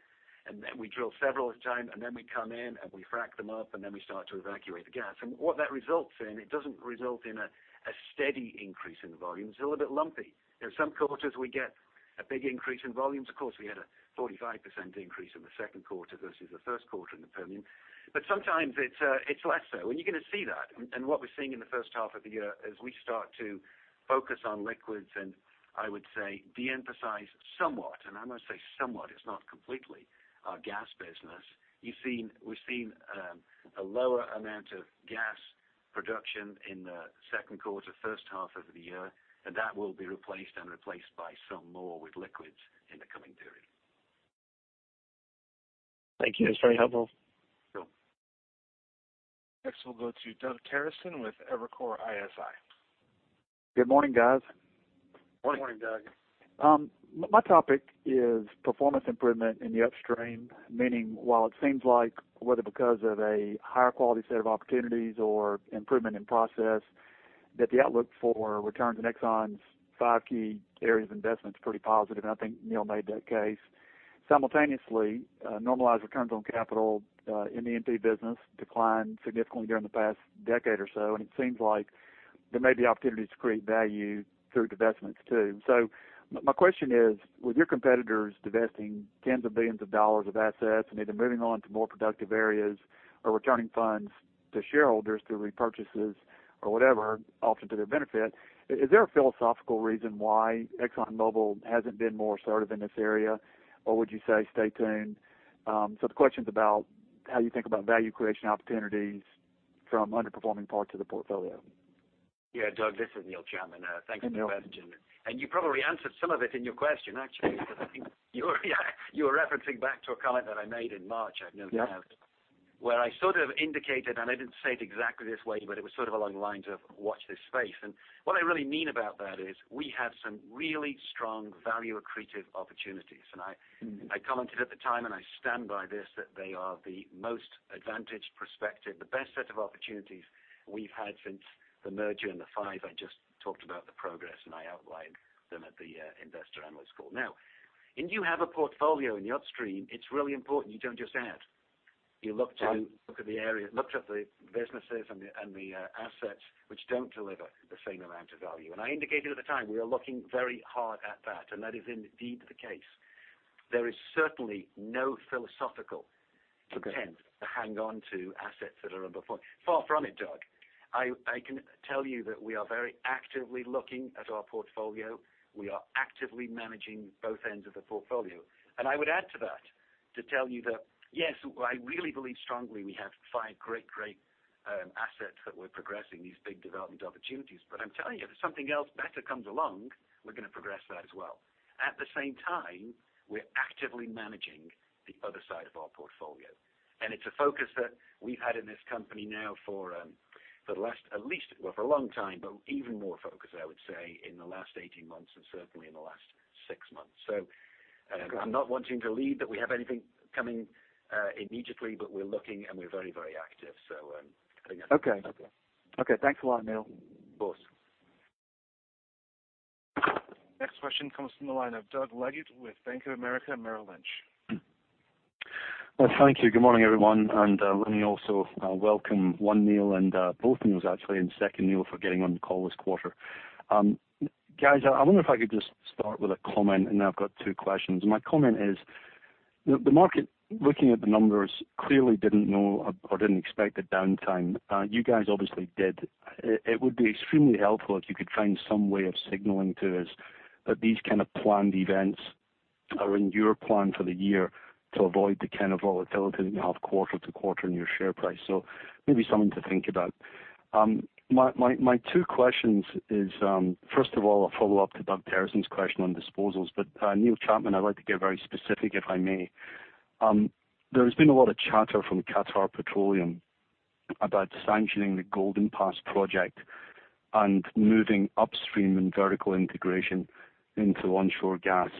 Then we drill several at a time, then we come in, and we frack them up, then we start to evacuate the gas. What that results in, it doesn't result in a steady increase in volume. It's a little bit lumpy. In some quarters, we get a big increase in volumes. Of course, we had a 45% increase in the second quarter versus the first quarter in the Permian. Sometimes it's less so, and you're going to see that. What we're seeing in the first half of the year is we start to focus on liquids, and I would say de-emphasize somewhat, and I must say somewhat, it's not completely our gas business. We've seen a lower amount of gas production in the second quarter, first half of the year, and that will be replaced and replaced by some more with liquids in the coming period. Thank you. That's very helpful. Sure. We'll go to Doug Terreson with Evercore ISI. Good morning, guys. Morning. Morning, Doug. My topic is performance improvement in the upstream, meaning while it seems like whether because of a higher quality set of opportunities or improvement in process, that the outlook for returns in Exxon's five key areas of investment is pretty positive, and I think Neil made that case. Simultaneously, normalized returns on capital in the MP business declined significantly during the past decade or so, and it seems like there may be opportunities to create value through divestments, too. My question is, with your competitors divesting tens of billions of dollars of assets and either moving on to more productive areas or returning funds to shareholders through repurchases or whatever, often to their benefit, is there a philosophical reason why ExxonMobil hasn't been more assertive in this area, or would you say stay tuned? The question's about how you think about value creation opportunities from underperforming parts of the portfolio. Yeah, Doug, this is Neil Chapman. Thanks for the question. Hey, Neil. You probably answered some of it in your question, actually, because I think you were referencing back to a comment that I made in March. Yes where I sort of indicated, and I didn't say it exactly this way, but it was sort of along the lines of watch this space. What I really mean about that is we have some really strong value accretive opportunities. I commented at the time, and I stand by this, that they are the most advantaged prospective, the best set of opportunities we've had since the merger in the five I just talked about the progress, and I outlined them at the investor analyst call. Now, you have a portfolio in the upstream. It's really important you don't just add. You look to- Right look at the area, look at the businesses and the assets which don't deliver the same amount of value. I indicated at the time, we are looking very hard at that, and that is indeed the case. There is certainly no philosophical pretense- Okay to hang on to assets that are underperforming. Far from it, Doug. I can tell you that we are very actively looking at our portfolio. We are actively managing both ends of the portfolio. I would add to that to tell you that, yes, I really believe strongly we have five great assets that we're progressing, these big development opportunities. I'm telling you, if something else better comes along, we're going to progress that as well. At the same time, we're actively managing the other side of our portfolio, and it's a focus that we've had in this company now for the last, at least, well, for a long time, but even more focus, I would say, in the last 18 months and certainly in the last six months. I'm not wanting to lead that we have anything coming immediately, we're looking, and we're very, very active. Again. Okay. Thanks a lot, Neil. Of course. Next question comes from the line of Doug Leggate with Bank of America Merrill Lynch. Well, thank you. Good morning, everyone, and let me also welcome one Neil and both Neils actually, and second Neil for getting on the call this quarter. Guys, I wonder if I could just start with a comment, and then I've got two questions. My comment is, the market, looking at the numbers, clearly didn't know or didn't expect a downtime. You guys obviously did. It would be extremely helpful if you could find some way of signaling to us that these kind of planned events are in your plan for the year to avoid the kind of volatility that you have quarter to quarter in your share price. Maybe something to think about. My two questions is, first of all, a follow-up to Doug Terreson's question on disposals. Neil Chapman, I'd like to get very specific, if I may. There's been a lot of chatter from Qatar Petroleum about sanctioning the Golden Pass project and moving upstream in vertical integration into onshore gas.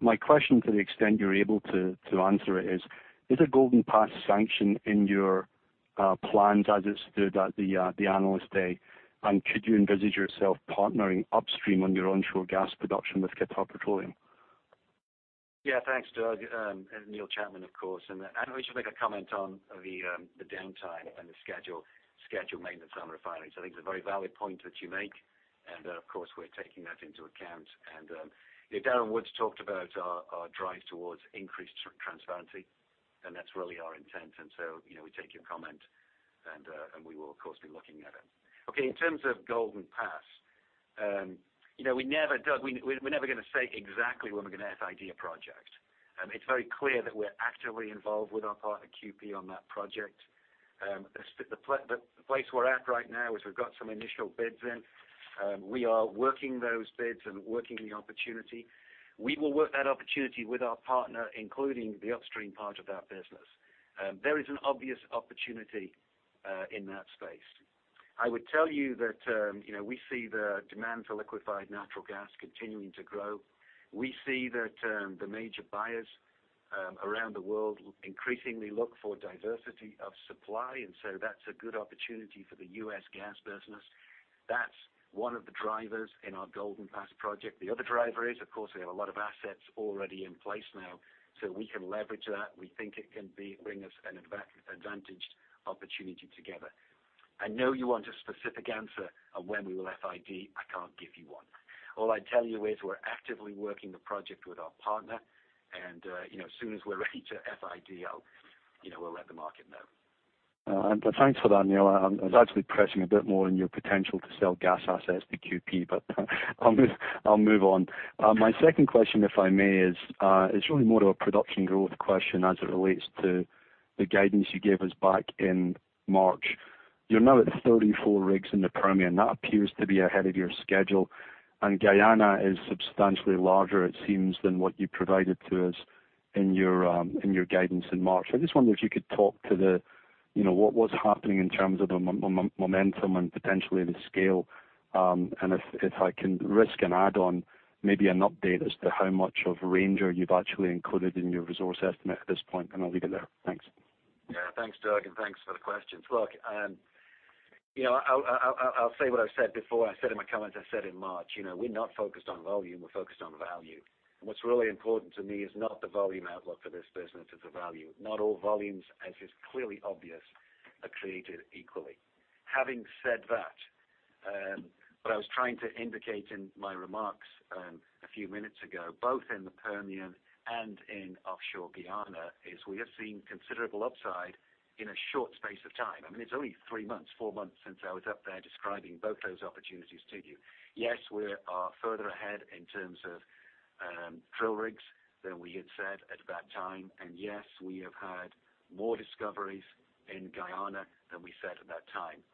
My question to the extent you're able to answer it is, a Golden Pass sanction in your plans as it stood at the Analyst Day, and could you envisage yourself partnering upstream on your onshore gas production with Qatar Petroleum? Yeah. Thanks, Doug, and Neil Chapman, of course. I should make a comment on the downtime and the scheduled maintenance on the refineries. I think it's a very valid point that you make, of course, we're taking that into account. Darren Woods talked about our drive towards increased transparency, that's really our intent. We take your comment, we will of course be looking at it. Okay. In terms of Golden Pass, Doug, we're never going to say exactly when we're going to FID a project. It's very clear that we're actively involved with our partner QP on that project. The place we're at right now is we've got some initial bids in. We are working those bids and working the opportunity. We will work that opportunity with our partner, including the upstream part of that business. There is an obvious opportunity in that space. I would tell you that we see the demand for liquefied natural gas continuing to grow. We see that the major buyers around the world increasingly look for diversity of supply, that's a good opportunity for the U.S. gas business. That's one of the drivers in our Golden Pass project. The other driver is, of course, we have a lot of assets already in place now, we can leverage that. We think it can bring us an advantaged opportunity together. I know you want a specific answer on when we will FID. I can't give you one. All I tell you is we're actively working the project with our partner and, as soon as we're ready to FID, we'll let the market know. Thanks for that, Neil. I was actually pressing a bit more on your potential to sell gas assets to QP, I'll move on. My second question, if I may, is really more of a production growth question as it relates to the guidance you gave us back in March. You're now at 34 rigs in the Permian. That appears to be ahead of your schedule. Guyana is substantially larger, it seems, than what you provided to us in your guidance in March. I just wonder if you could talk to what was happening in terms of the momentum and potentially the scale. If I can risk an add-on, maybe an update as to how much of Ranger you've actually included in your resource estimate at this point, I'll leave it there. Thanks. Yes. Thanks, Doug, and thanks for the questions. Look, I'll say what I've said before. I said in my comments, I said in March. We're not focused on volume. We're focused on value. What's really important to me is not the volume outlook for this business. It's the value. Not all volumes, as is clearly obvious, are created equally. Having said that, what I was trying to indicate in my remarks a few minutes ago, both in the Permian and in offshore Guyana, is we have seen considerable upside in a short space of time. It's only three months, four months since I was up there describing both those opportunities to you. Yes, we are further ahead in terms of drill rigs than we had said at that time. Yes, we have had more discoveries in Guyana than we said at that time.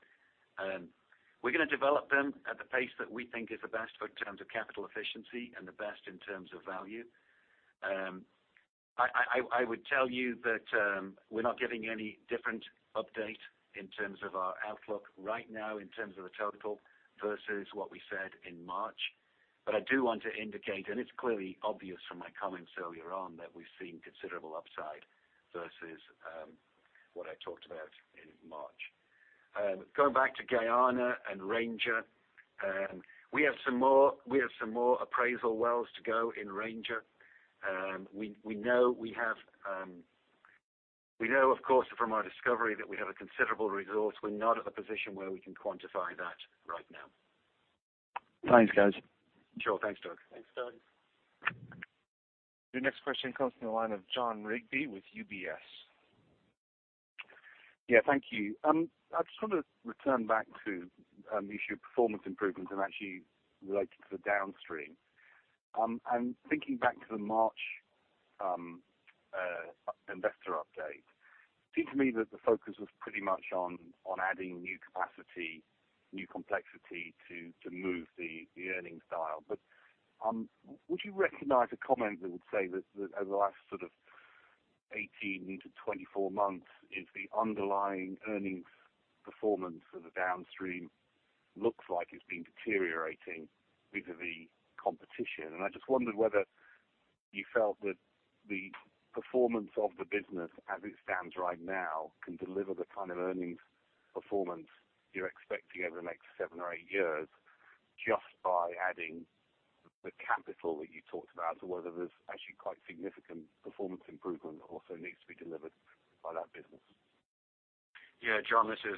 We're going to develop them at the pace that we think is the best for in terms of capital efficiency and the best in terms of value. I would tell you that we're not giving any different update in terms of our outlook right now, in terms of the total versus what we said in March. I do want to indicate, and it's clearly obvious from my comments earlier on, that we've seen considerable upside versus what I talked about in March. Going back to Guyana and Ranger, we have some more appraisal wells to go in Ranger. We know, of course, from our discovery that we have a considerable resource. We're not at the position where we can quantify that right now. Thanks, guys. Sure. Thanks, Doug. Thanks, Doug. Your next question comes from the line of Jon Rigby with UBS. Yeah. Thank you. I just want to return back to the issue of performance improvements and actually relate it to the downstream. Thinking back to the March Analyst Day, it seemed to me that the focus was pretty much on adding new capacity, new complexity to move the earnings dial. Would you recognize a comment that would say that over the last 18-24 months is the underlying earnings performance for the downstream looks like it's been deteriorating vis-a-vis competition? I just wondered whether you felt that the performance of the business as it stands right now can deliver the kind of earnings performance you're expecting over the next seven or eight years just by adding the capital that you talked about, or whether there's actually quite significant performance improvement that also needs to be delivered by that business. Yeah, Jon, this is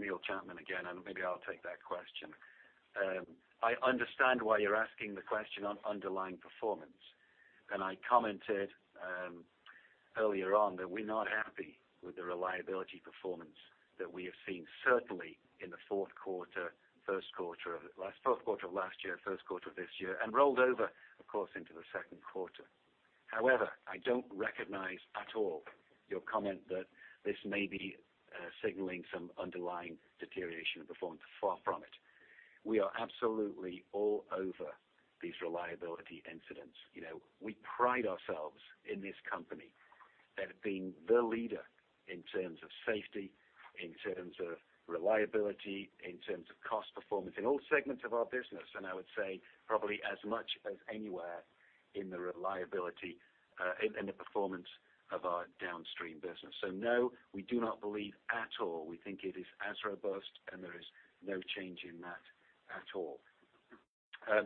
Neil Chapman again. Maybe I'll take that question. I understand why you're asking the question on underlying performance. I commented earlier on that we're not happy with the reliability performance that we have seen, certainly in the fourth quarter of last year, first quarter of this year, and rolled over, of course, into the second quarter. However, I don't recognize at all your comment that this may be signaling some underlying deterioration of performance. Far from it. We are absolutely all over these reliability incidents. We pride ourselves in this company at being the leader in terms of safety, in terms of reliability, in terms of cost performance in all segments of our business. I would say probably as much as anywhere in the reliability, in the performance of our downstream business. No, we do not believe at all. We think it is as robust and there is no change in that at all.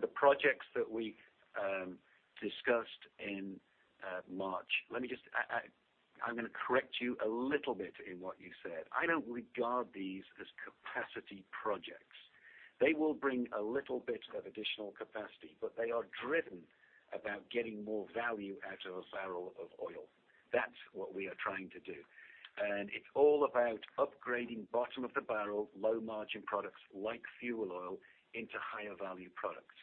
The projects that we discussed in March Analyst Day, I'm going to correct you a little bit in what you said. I don't regard these as capacity projects. They will bring a little bit of additional capacity, but they are driven about getting more value out of a barrel of oil. That's what we are trying to do. It's all about upgrading bottom-of-the-barrel, low-margin products like fuel oil into higher-value products.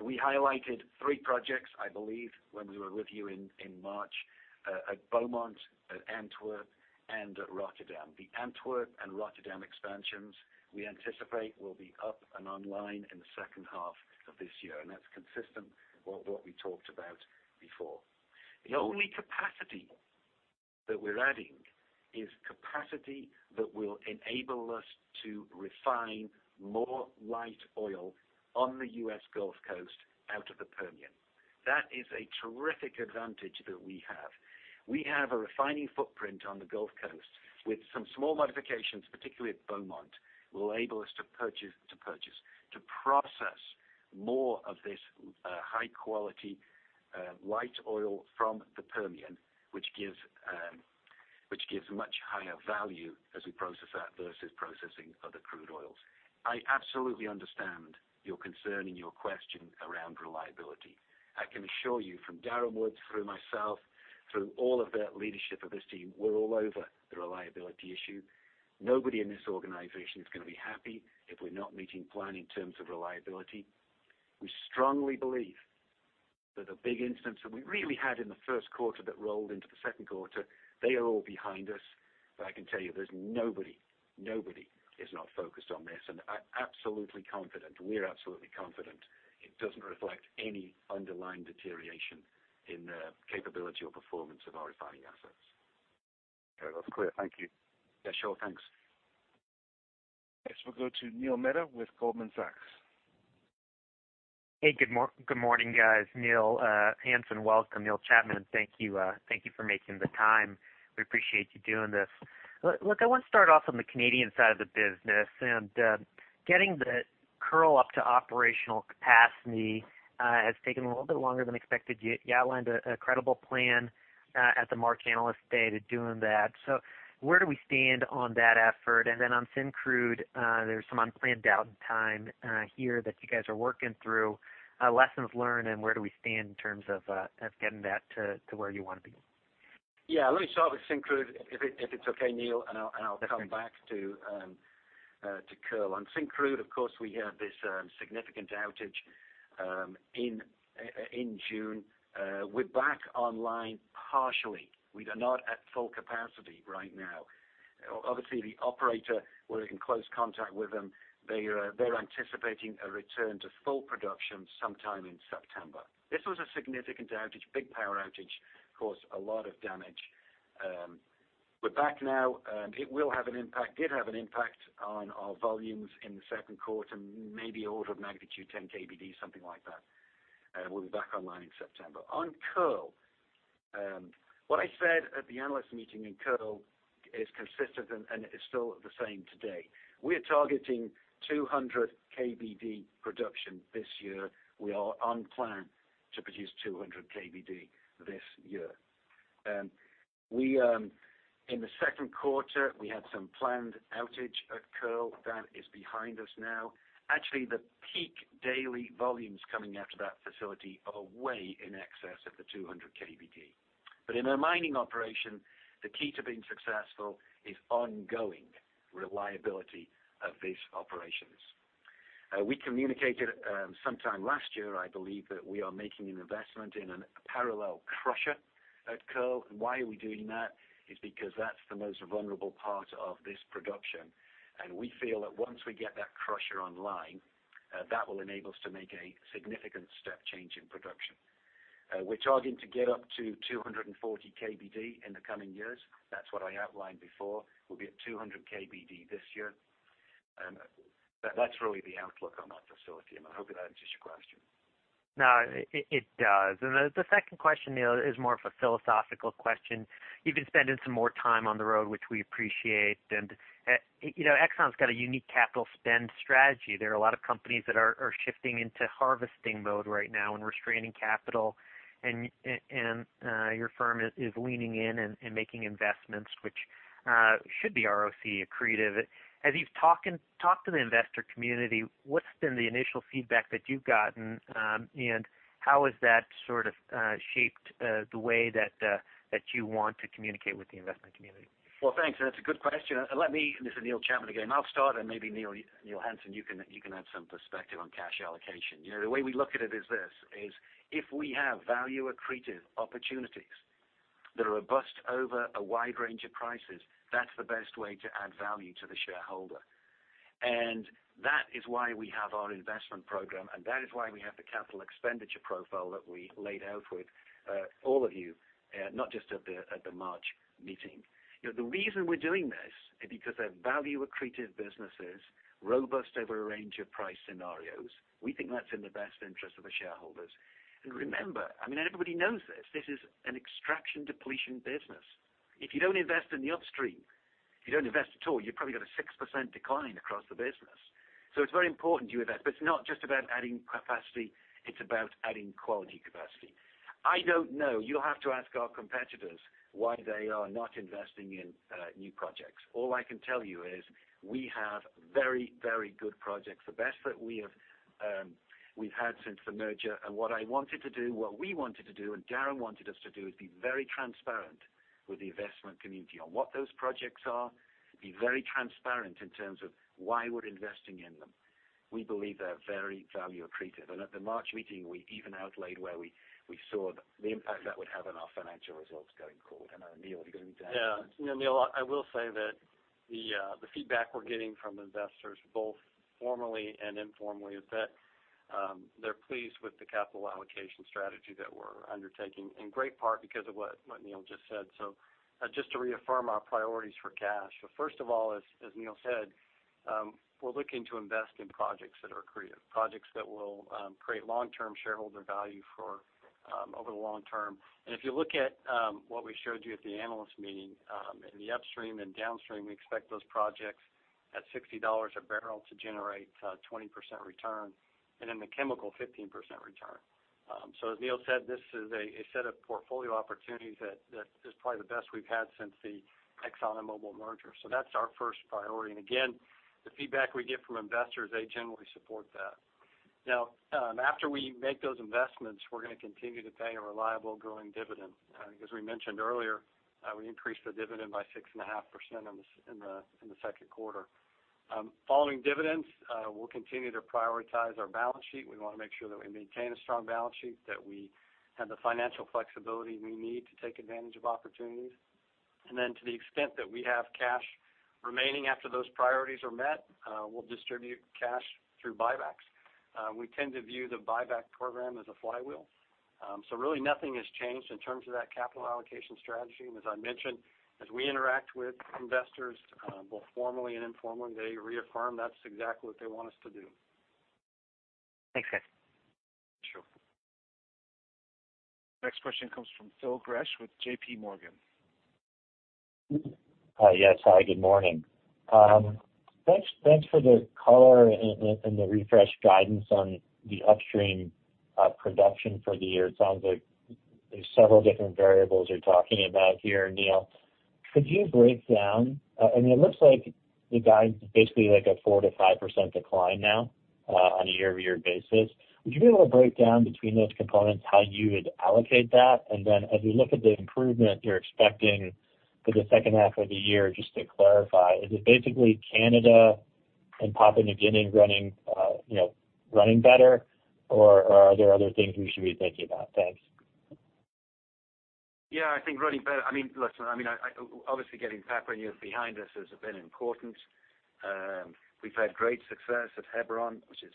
We highlighted three projects, I believe, when we were with you in March, at Beaumont, at Antwerp, and at Rotterdam. The Antwerp and Rotterdam expansions we anticipate will be up and online in the second half of this year. That's consistent with what we talked about before. The only capacity that we're adding is capacity that will enable us to refine more light oil on the U.S. Gulf Coast out of the Permian. That is a terrific advantage that we have. We have a refining footprint on the Gulf Coast with some small modifications, particularly at Beaumont, will enable us to process more of this high-quality, light oil from the Permian, which gives much higher value as we process that versus processing other crude oils. I absolutely understand your concern and your question around reliability. I can assure you from Darren Woods, through myself, through all of the leadership of this team, we're all over the reliability issue. Nobody in this organization is going to be happy if we're not meeting plan in terms of reliability. We strongly believe that the big incidents that we really had in the first quarter that rolled into the second quarter, they are all behind us. I can tell you, there's nobody is not focused on this. I'm absolutely confident, we're absolutely confident it doesn't reflect any underlying deterioration in the capability or performance of our refining assets. Okay. That's clear. Thank you. Yeah, sure. Thanks. We'll go to Neil Mehta with Goldman Sachs. Hey, good morning, guys. Neil Hansen. Welcome, Neil Chapman, thank you for making the time. We appreciate you doing this. Look, I want to start off on the Canadian side of the business. Getting the Kearl up to operational capacity has taken a little bit longer than expected. You outlined a credible plan at the March Analyst Day to doing that. Where do we stand on that effort? On Syncrude, there's some unplanned downtime here that you guys are working through. Lessons learned, where do we stand in terms of getting that to where you want to be? Yeah. Let me start with Syncrude, if it's okay, Neil. Sure Come back to Kearl. On Syncrude, of course, we had this significant outage in June. We're back online partially. We are not at full capacity right now. Obviously, the operator, we're in close contact with them. They're anticipating a return to full production sometime in September. This was a significant outage, big power outage, caused a lot of damage. We're back now. It did have an impact on our volumes in the second quarter, maybe order of magnitude, 10 KBD, something like that. We'll be back online in September. On Kearl, what I said at the analyst meeting in Kearl is consistent, it is still the same today. We are targeting 200 KBD production this year. We are on plan to produce 200 KBD this year. In the second quarter, we had some planned outage at Kearl. That is behind us now. Actually, the peak daily volumes coming out of that facility are way in excess of the 200 KBD. In our mining operation, the key to being successful is ongoing reliability of these operations. We communicated sometime last year, I believe, that we are making an investment in a parallel crusher at Kearl. Why are we doing that? It is because that's the most vulnerable part of this production. We feel that once we get that crusher online, that will enable us to make a significant step change in production. We're targeting to get up to 240 KBD in the coming years. That's what I outlined before. We'll be at 200 KBD this year. That's really the outlook on that facility. I hope that answers your question. No, it does. The second question, Neil, is more of a philosophical question. You've been spending some more time on the road, which we appreciate. Exxon's got a unique capital spend strategy. There are a lot of companies that are shifting into harvesting mode right now and restraining capital, and your firm is leaning in and making investments, which should be ROC accretive. As you've talked to the investor community, what's been the initial feedback that you've gotten, and how has that sort of shaped the way that you want to communicate with the investment community? Well, thanks. That's a good question. This is Neil Chapman again. I'll start, and maybe Neil Hansen, you can add some perspective on cash allocation. The way we look at it is this, is if we have value-accretive opportunities that are robust over a wide range of prices, that's the best way to add value to the shareholder. That is why we have our investment program. That is why we have the capital expenditure profile that we laid out with all of you, not just at the March Analyst Day. The reason we're doing this is because they're value-accretive businesses, robust over a range of price scenarios. We think that's in the best interest of the shareholders. Remember, I mean, everybody knows this is an extraction depletion business. If you don't invest in the upstream, if you don't invest at all, you've probably got a 6% decline across the business. It's very important you invest. It's not just about adding capacity, it's about adding quality capacity. I don't know. You'll have to ask our competitors why they are not investing in new projects. All I can tell you is we have very good projects, the best that we've had since the merger. What I wanted to do, what we wanted to do, and Darren wanted us to do, is be very transparent with the investment community on what those projects are, be very transparent in terms of why we're investing in them. We believe they're very value accretive. At the March Analyst Day, we even laid out where we saw the impact that would have on our financial results going forward. I know, Neil, you're going to Yeah. Neil, I will say that the feedback we're getting from investors, both formally and informally, is that they're pleased with the capital allocation strategy that we're undertaking, in great part because of what Neil just said. Just to reaffirm our priorities for cash. First of all, as Neil said, we're looking to invest in projects that are accretive, projects that will create long-term shareholder value over the long term. If you look at what we showed you at the Analyst Day, in the upstream and downstream, we expect those projects at $60 a barrel to generate 20% return, and in the chemical, 15% return. As Neil said, this is a set of portfolio opportunities that is probably the best we've had since the Exxon and Mobil merger. That's our first priority. Again, the feedback we get from investors, they generally support that. Now, after we make those investments, we're going to continue to pay a reliable growing dividend. As we mentioned earlier, we increased the dividend by 6.5% in the second quarter. Following dividends, we'll continue to prioritize our balance sheet. We want to make sure that we maintain a strong balance sheet, that we have the financial flexibility we need to take advantage of opportunities. Then to the extent that we have cash remaining after those priorities are met, we'll distribute cash through buybacks. We tend to view the buyback program as a flywheel. Really nothing has changed in terms of that capital allocation strategy. As I mentioned, as we interact with investors both formally and informally, they reaffirm that's exactly what they want us to do. Thanks, guys. Sure. Next question comes from Phil Gresh with J.P. Morgan. Hi, yes. Hi, good morning. Thanks for the color and the refresh guidance on the upstream production for the year. It sounds like there's several different variables you're talking about here, Neil. Could you break down, I mean, it looks like the guide is basically like a 4%-5% decline now on a year-over-year basis. Would you be able to break down between those components how you would allocate that? As we look at the improvement you're expecting for the second half of the year, just to clarify, is it basically Canada and Papua New Guinea running better, or are there other things we should be thinking about? Thanks. I think running better. I mean, listen, obviously getting Papua New Guinea behind us has been important. We've had great success at Hebron, which is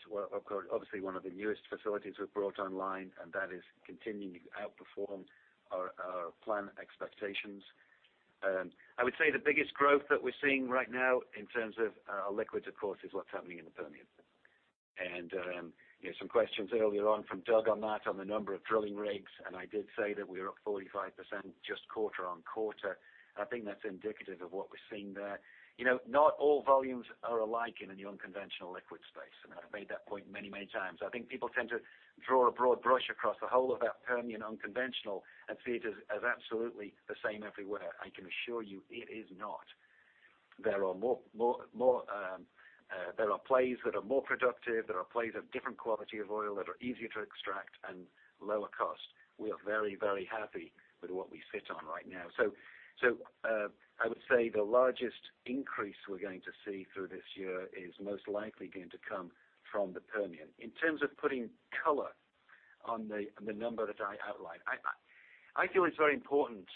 obviously one of the newest facilities we've brought online, and that is continuing to outperform our plan expectations. I would say the biggest growth that we're seeing right now in terms of our liquids, of course, is what's happening in the Permian. Some questions earlier on from Doug on that on the number of drilling rigs, and I did say that we are up 45% just quarter-over-quarter. I think that's indicative of what we're seeing there. Not all volumes are alike in the unconventional liquids space, and I've made that point many times. I think people tend to draw a broad brush across the whole of that Permian unconventional and see it as absolutely the same everywhere. I can assure you it is not. There are plays that are more productive, there are plays of different quality of oil that are easier to extract and lower cost. We are very happy with what we sit on right now. I would say the largest increase we're going to see through this year is most likely going to come from the Permian. In terms of putting color on the number that I outlined, I feel it's very important to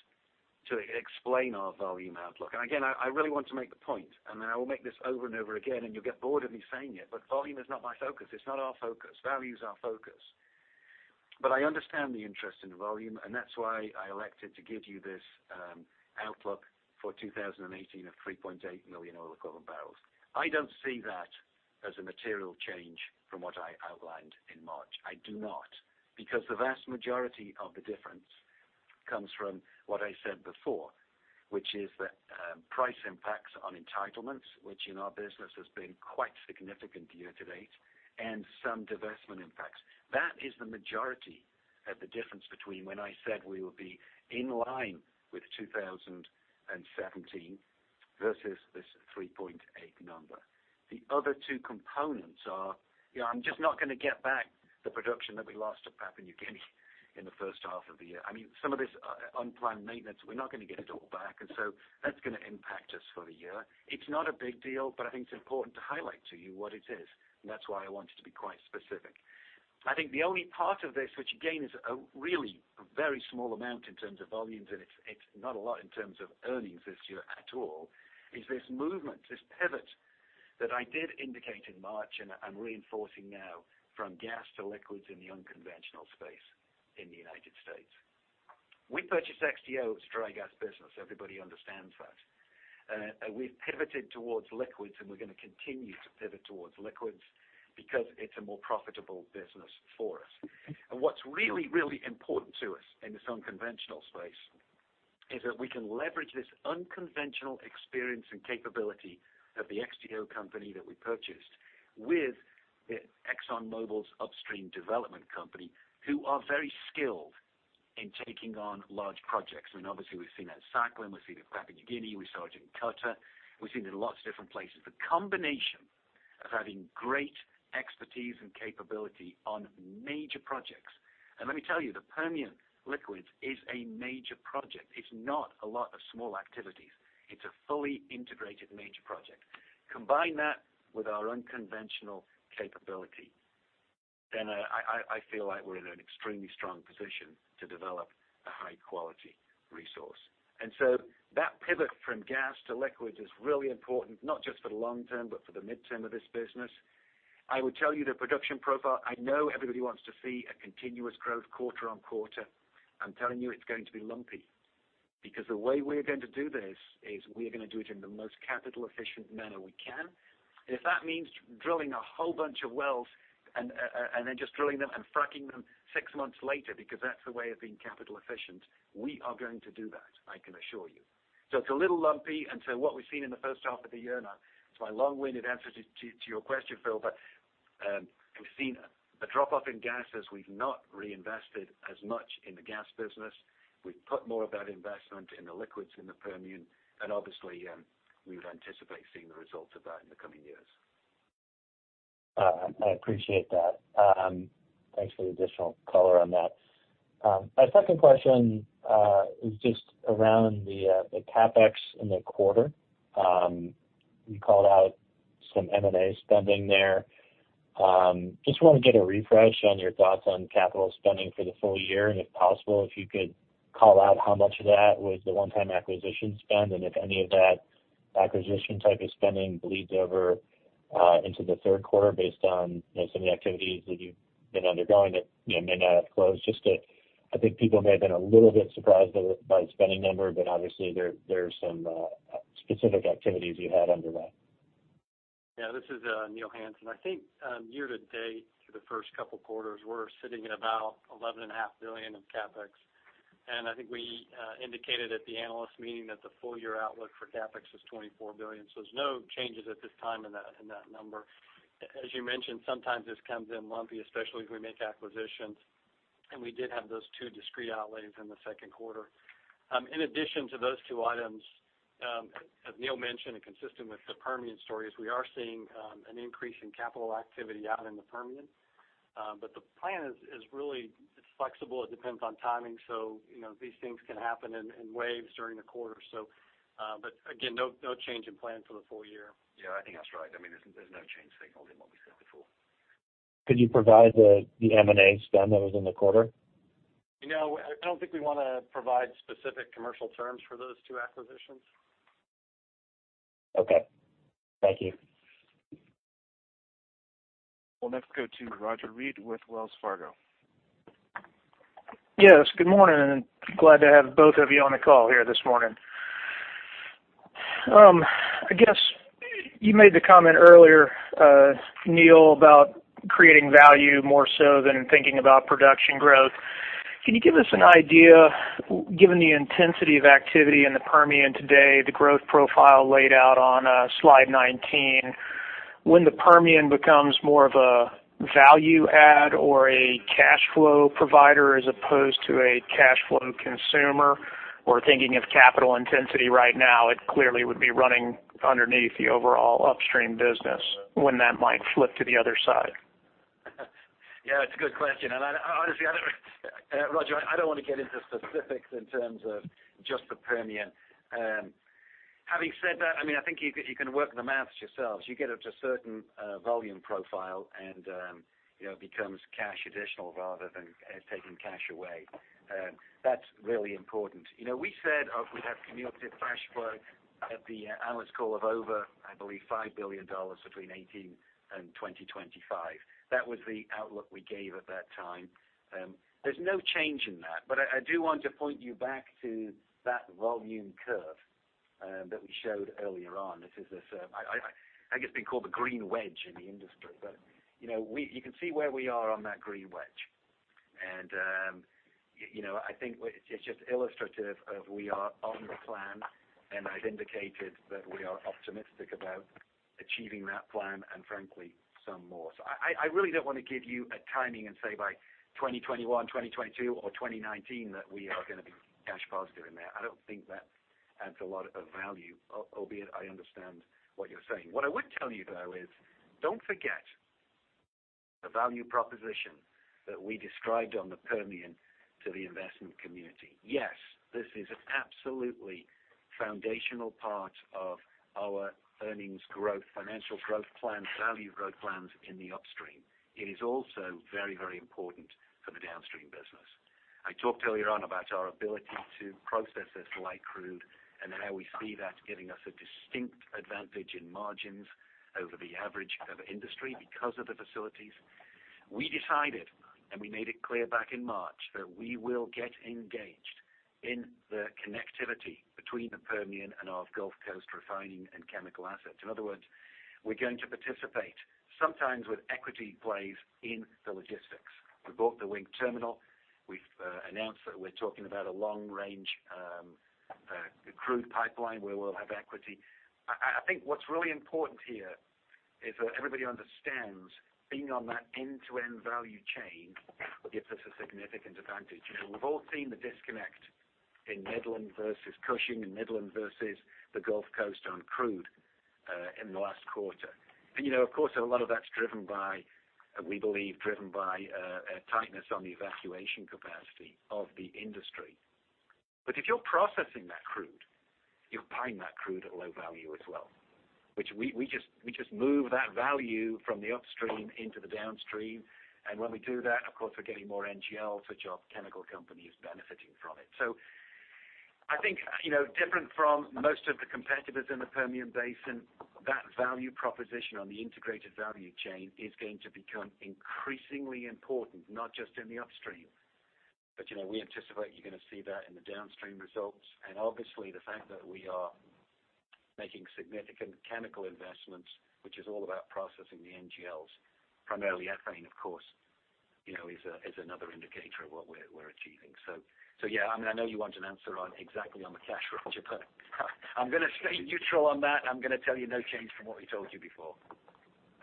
explain our volume outlook. Again, I really want to make the point, I will make this over and over again, and you'll get bored of me saying it, but volume is not my focus. It's not our focus. Value is our focus. I understand the interest in volume, and that's why I elected to give you this outlook for 2018 of 3.8 million oil equivalent barrels. I don't see that as a material change from what I outlined in March. I do not. The vast majority of the difference comes from what I said before, which is that price impacts on entitlements, which in our business has been quite significant year-to-date, and some divestment impacts. That is the majority of the difference between when I said we would be in line with 2017 versus this 3.8 number. The other two components are, I'm just not going to get back the production that we lost at Papua New Guinea in the first half of the year. Some of this unplanned maintenance, we're not going to get it all back. That's going to impact us for the year. It's not a big deal, but I think it's important to highlight to you what it is, and that's why I wanted to be quite specific. I think the only part of this which, again, is a really very small amount in terms of volumes, and it's not a lot in terms of earnings this year at all, is this movement, this pivot that I did indicate in March and I'm reinforcing now from gas to liquids in the unconventional space in the United States. We purchased XTO's dry gas business. Everybody understands that. We've pivoted towards liquids, and we're going to continue to pivot towards liquids because it's a more profitable business for us. What's really, really important to us in this unconventional space is that we can leverage this unconventional experience and capability of the XTO company that we purchased with ExxonMobil's upstream development company, who are very skilled in taking on large projects. Obviously, we've seen it at Sakhalin, we've seen it at Papua New Guinea, we saw it in Qatar. We've seen it in lots of different places. The combination of having great expertise and capability on major projects. Let me tell you, the Permian liquids is a major project. It's not a lot of small activities. It's a fully integrated major project. Combine that with our unconventional capability, then I feel like we're in an extremely strong position to develop a high-quality resource. That pivot from gas to liquids is really important, not just for the long term, but for the midterm of this business. I would tell you the production profile, I know everybody wants to see a continuous growth quarter on quarter. I'm telling you it's going to be lumpy. The way we're going to do this is we are going to do it in the most capital efficient manner we can. If that means drilling a whole bunch of wells and then just drilling them and fracking them six months later because that's the way of being capital efficient, we are going to do that, I can assure you. It's a little lumpy. What we've seen in the first half of the year, and it's my long-winded answer to your question, Phil, but we've seen a drop-off in gas as we've not reinvested as much in the gas business. We've put more of that investment in the liquids in the Permian, obviously, we would anticipate seeing the results of that in the coming years. I appreciate that. Thanks for the additional color on that. My second question is just around the CapEx in the quarter. You called out some M&A spending there. Just want to get a refresh on your thoughts on capital spending for the full year, if possible, if you could call out how much of that was the one-time acquisition spend, if any of that acquisition type of spending bleeds over into the third quarter based on some of the activities that you've been undergoing that may not have closed. I think people may have been a little bit surprised by the spending number, obviously there are some specific activities you had underway. This is Neil Hansen. I think year-to-date through the first couple of quarters, we're sitting at about $11.5 billion in CapEx. I think we indicated at the analyst meeting that the full-year outlook for CapEx was $24 billion. There's no changes at this time in that number. As you mentioned, sometimes this comes in lumpy, especially if we make acquisitions. We did have those two discrete outlays in the second quarter. In addition to those two items, as Neil mentioned, consistent with the Permian stories, we are seeing an increase in capital activity out in the Permian. The plan is really flexible. It depends on timing. These things can happen in waves during the quarter. Again, no change in plan for the full year. I think that's right. There's no change signal in what we said before. Could you provide the M&A spend that was in the quarter? No, I don't think we want to provide specific commercial terms for those two acquisitions. Okay. Thank you. We'll next go to Roger Read with Wells Fargo. Yes, good morning, and glad to have both of you on the call here this morning. I guess you made the comment earlier, Neil, about creating value more so than thinking about production growth. Can you give us an idea, given the intensity of activity in the Permian today, the growth profile laid out on slide 19, when the Permian becomes more of a value add or a cash flow provider as opposed to a cash flow consumer? Thinking of capital intensity right now, it clearly would be running underneath the overall upstream business when that might flip to the other side. Yeah, it's a good question. Honestly, Roger, I don't want to get into specifics in terms of just the Permian. Having said that, I think you can work the math yourselves. You get up to a certain volume profile, and it becomes cash additional rather than taking cash away. That's really important. We said we have cumulative cash flow at the analyst call of over, I believe, $5 billion between 2018 and 2025. That was the outlook we gave at that time. There's no change in that. I do want to point you back to that volume curve that we showed earlier on. This has, I guess, been called the green wedge in the industry. You can see where we are on that green wedge. I think it's just illustrative of we are on the plan, and I've indicated that we are optimistic about achieving that plan and frankly, some more. I really don't want to give you a timing and say by 2021, 2022, or 2019 that we are going to be cash positive in there. I don't think that adds a lot of value, albeit I understand what you're saying. What I would tell you, though, is don't forget the value proposition that we described on the Permian to the investment community. Yes, this is absolutely foundational part of our earnings growth, financial growth plan, value growth plans in the upstream. It is also very, very important for the downstream business. I talked earlier on about our ability to process this light crude and how we see that giving us a distinct advantage in margins over the average of industry because of the facilities. We decided, and we made it clear back in March, that we will get engaged in the connectivity between the Permian and our Gulf Coast refining and chemical assets. In other words, we're going to participate sometimes with equity plays in the logistics. We bought the Wink terminal. We've announced that we're talking about a long-range crude pipeline where we'll have equity. I think what's really important here is that everybody understands being on that end-to-end value chain gives us a significant advantage. We've all seen the disconnect in Midland versus Cushing and Midland versus the Gulf Coast on crude in the last quarter. Of course, a lot of that's driven by, we believe, driven by a tightness on the evacuation capacity of the industry. If you're processing that crude, you're buying that crude at low value as well, which we just move that value from the upstream into the downstream. When we do that, of course, we're getting more NGLs, which our chemical company is benefiting from it. I think different from most of the competitors in the Permian Basin, that value proposition on the integrated value chain is going to become increasingly important, not just in the upstream, but we anticipate you're going to see that in the downstream results. Obviously, the fact that we are making significant chemical investments, which is all about processing the NGLs, primarily ethane, of course, is another indicator of what we're achieving. Yeah, I know you want an answer on exactly on the cash flows, Roger, but I'm going to stay neutral on that. I'm going to tell you no change from what we told you before.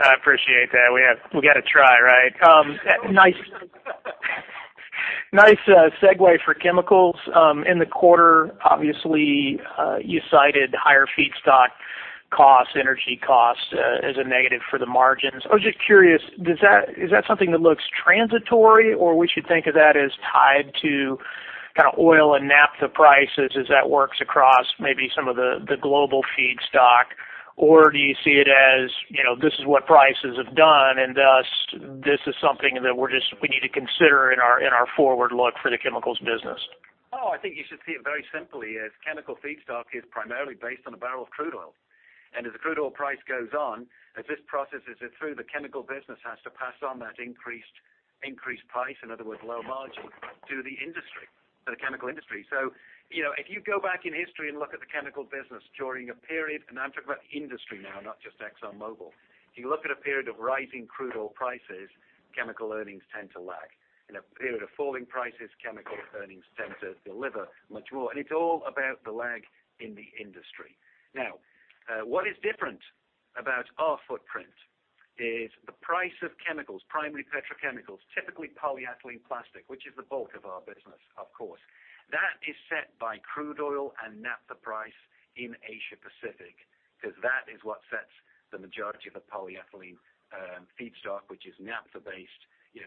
I appreciate that. We got to try, right? Nice segue for chemicals. In the quarter, obviously, you cited higher feedstock costs, energy costs as a negative for the margins. I was just curious, is that something that looks transitory, or we should think of that as tied to oil and naphtha prices as that works across maybe some of the global feedstock? Do you see it as this is what prices have done, and thus, this is something that we need to consider in our forward look for the chemicals business? I think you should see it very simply as chemical feedstock is primarily based on a barrel of crude oil. As the crude oil price goes on, as this processes it through, the chemical business has to pass on that increased price, in other words, low margin, to the industry, to the chemical industry. If you go back in history and look at the chemical business during a period, and I'm talking about industry now, not just ExxonMobil. If you look at a period of rising crude oil prices, chemical earnings tend to lag. In a period of falling prices, chemical earnings tend to deliver much more. It's all about the lag in the industry. What is different about our footprint is the price of chemicals, primary petrochemicals, typically polyethylene plastic, which is the bulk of our business, of course. That is set by crude oil and naphtha price in Asia Pacific, because that is what sets the majority of the polyethylene feedstock, which is naphtha-based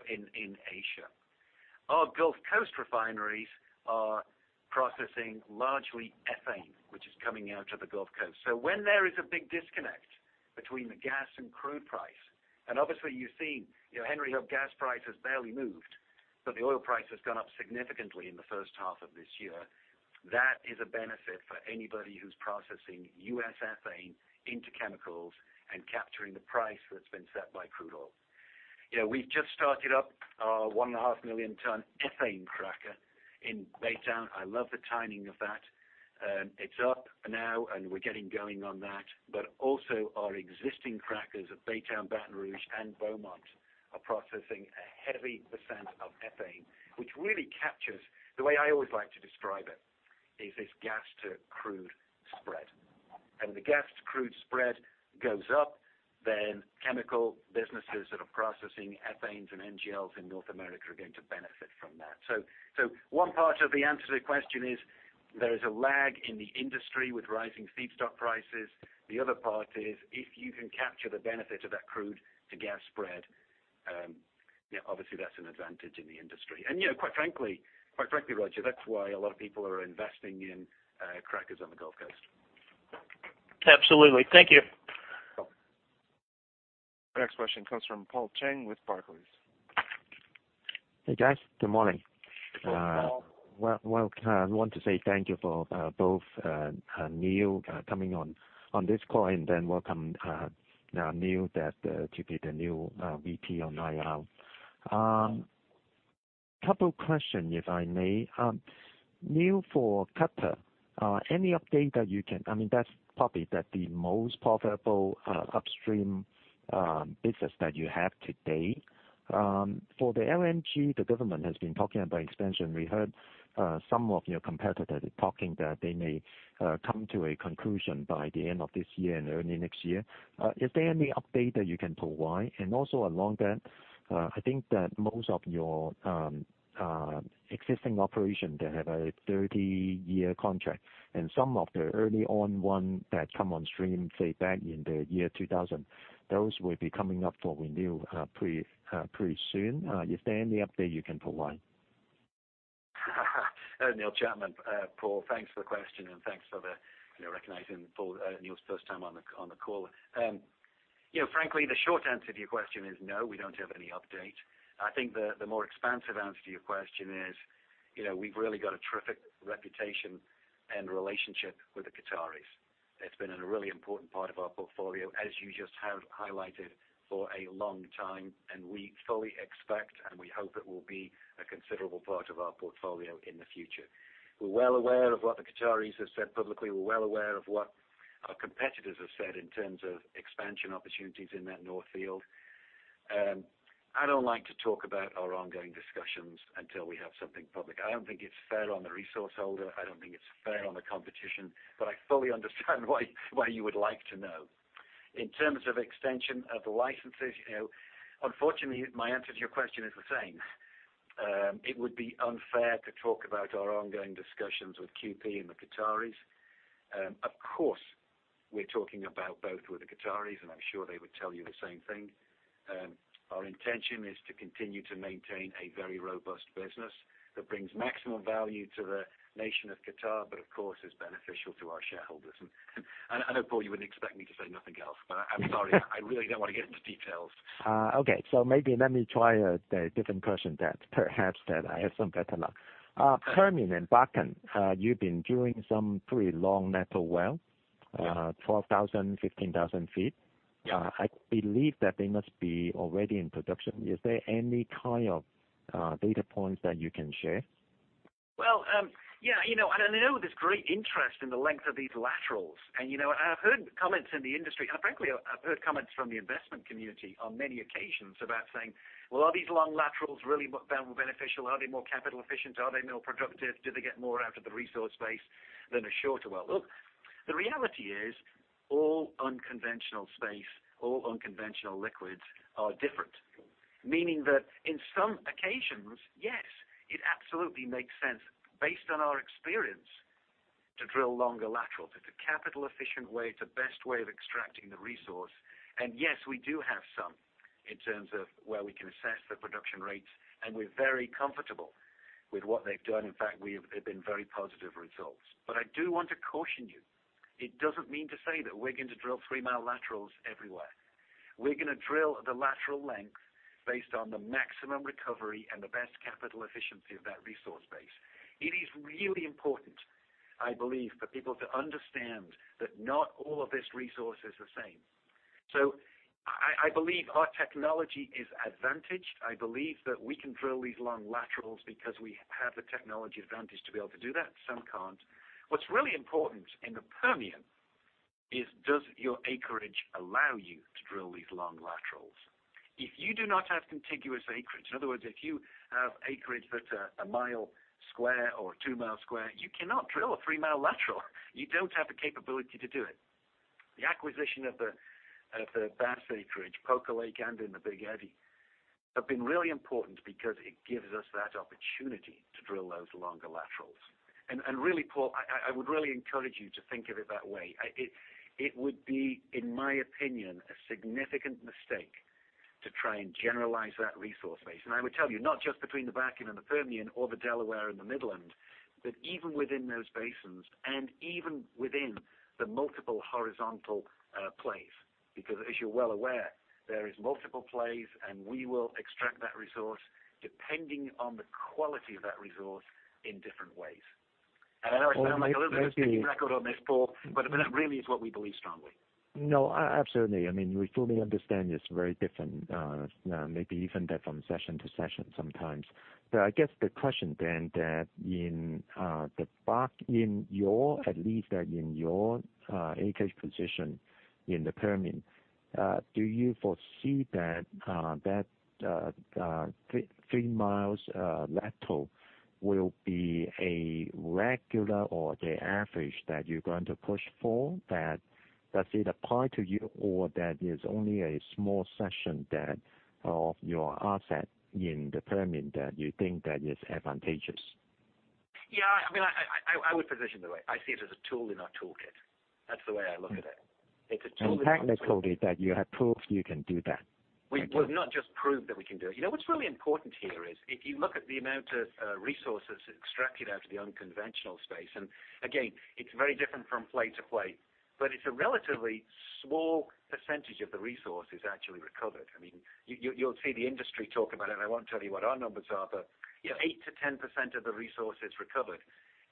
in Asia. Our Gulf Coast refineries are processing largely ethane, which is coming out of the Gulf Coast. When there is a big disconnect between the gas and crude price, and obviously you've seen Henry Hub gas price has barely moved, but the oil price has gone up significantly in the first half of this year. That is a benefit for anybody who's processing U.S. ethane into chemicals and capturing the price that's been set by crude oil. We've just started up our 1.5 million ton ethane cracker in Baytown. I love the timing of that. It's up now, and we're getting going on that. Also our existing crackers at Baytown, Baton Rouge, and Beaumont are processing a heavy percent of ethane, which really captures. The way I always like to describe it is this gas to crude spread. The gas to crude spread goes up, then chemical businesses that are processing ethanes and NGLs in North America are going to benefit from that. One part of the answer to the question is there is a lag in the industry with rising feedstock prices. The other part is if you can capture the benefit of that crude to gas spread, obviously that's an advantage in the industry. Quite frankly, Roger, that's why a lot of people are investing in crackers on the Gulf Coast. Absolutely. Thank you. Question comes from Paul Cheng with Barclays. Hey, guys. Good morning. Hello, Paul. Well, I want to say thank you for both Neil coming on this call, then welcome Neil that to be the new VP on IR. Couple question, if I may. Neil, for Qatar, any update that you can. That's probably the most profitable upstream business that you have to date. For the LNG, the government has been talking about expansion. We heard some of your competitors talking that they may come to a conclusion by the end of this year and early next year. Is there any update that you can provide? Also along that, I think that most of your existing operation, they have a 30-year contract, and some of the early on one that come on stream, say, back in the year 2000, those will be coming up for renewal pretty soon. Is there any update you can provide? Neil Chapman. Paul, thanks for the question, and thanks for the recognizing for Neil's first time on the call. Frankly, the short answer to your question is no, we don't have any update. I think the more expansive answer to your question is, we've really got a terrific reputation and relationship with the Qataris. It's been in a really important part of our portfolio, as you just have highlighted, for a long time, we fully expect, and we hope it will be a considerable part of our portfolio in the future. We're well aware of what the Qataris have said publicly. We're well aware of what our competitors have said in terms of expansion opportunities in that North Field. I don't like to talk about our ongoing discussions until we have something public. I don't think it's fair on the resource holder. I don't think it's fair on the competition, but I fully understand why you would like to know. In terms of extension of the licenses, unfortunately, my answer to your question is the same. It would be unfair to talk about our ongoing discussions with QP and the Qataris. Of course, we're talking about both with the Qataris, and I'm sure they would tell you the same thing. Our intention is to continue to maintain a very robust business that brings maximum value to the nation of Qatar, but of course, is beneficial to our shareholders. I know, Paul, you wouldn't expect me to say nothing else. I'm sorry. I really don't want to get into details. Okay. Maybe let me try a different question that perhaps that I have some better luck. Permian and Bakken, you've been doing some pretty long lateral well, 12,000, 15,000 feet. Yeah. I believe that they must be already in production. Is there any kind of data points that you can share? Well, yeah. I know there's great interest in the length of these laterals. I've heard comments in the industry, and frankly, I've heard comments from the investment community on many occasions about saying, "Well, are these long laterals really beneficial? Are they more capital efficient? Are they more productive? Do they get more out of the resource base than a shorter well?" Look, the reality is all unconventional space, all unconventional liquids are different. Meaning that in some occasions, yes, it absolutely makes sense based on our experience to drill longer laterals. It's a capital efficient way. It's a best way of extracting the resource. Yes, we do have some in terms of where we can assess the production rates, and we're very comfortable with what they've done. In fact, we have been very positive results. I do want to caution you. It doesn't mean to say that we're going to drill three-mile laterals everywhere. We're going to drill the lateral length based on the maximum recovery and the best capital efficiency of that resource base. It is really important, I believe, for people to understand that not all of this resource is the same. I believe our technology is advantaged. I believe that we can drill these long laterals because we have the technology advantage to be able to do that. Some can't. What's really important in the Permian is does your acreage allow you to drill these long laterals? If you do not have contiguous acreage, in other words, if you have acreage that a 1 mile square or 2 mile square, you cannot drill a three-mile lateral. You don't have the capability to do it. The acquisition of the Bass acreage, Poker Lake and in the Big Eddy, have been really important because it gives us that opportunity to drill those longer laterals. Really, Paul, I would really encourage you to think of it that way. It would be, in my opinion, a significant mistake to try and generalize that resource base. I would tell you, not just between the Bakken and the Permian or the Delaware and the Midland, but even within those basins and even within the multiple horizontal plays. As you're well aware, there is multiple plays, and we will extract that resource depending on the quality of that resource in different ways. I know I sound like a little bit of a skipping record on this, Paul, but that really is what we believe strongly. No, absolutely. We fully understand it's very different, maybe even that from session to session sometimes. I guess the question then that in the Bakken, at least that in your acreage position in the Permian, do you foresee that 3 miles lateral will be a regular or the average that you're going to push for? Does it apply to you or that is only a small section that of your asset in the Permian that you think that is advantageous? Yeah. I would position it the way I see it as a tool in our toolkit. That's the way I look at it. It's a tool. Technically, that you have proved you can do that. We've not just proved that we can do it. What's really important here is if you look at the amount of resources extracted out of the unconventional space, again, it's very different from play to play. It's a relatively small percentage of the resource is actually recovered. You'll see the industry talk about it, I won't tell you what our numbers are, but 8%-10% of the resource is recovered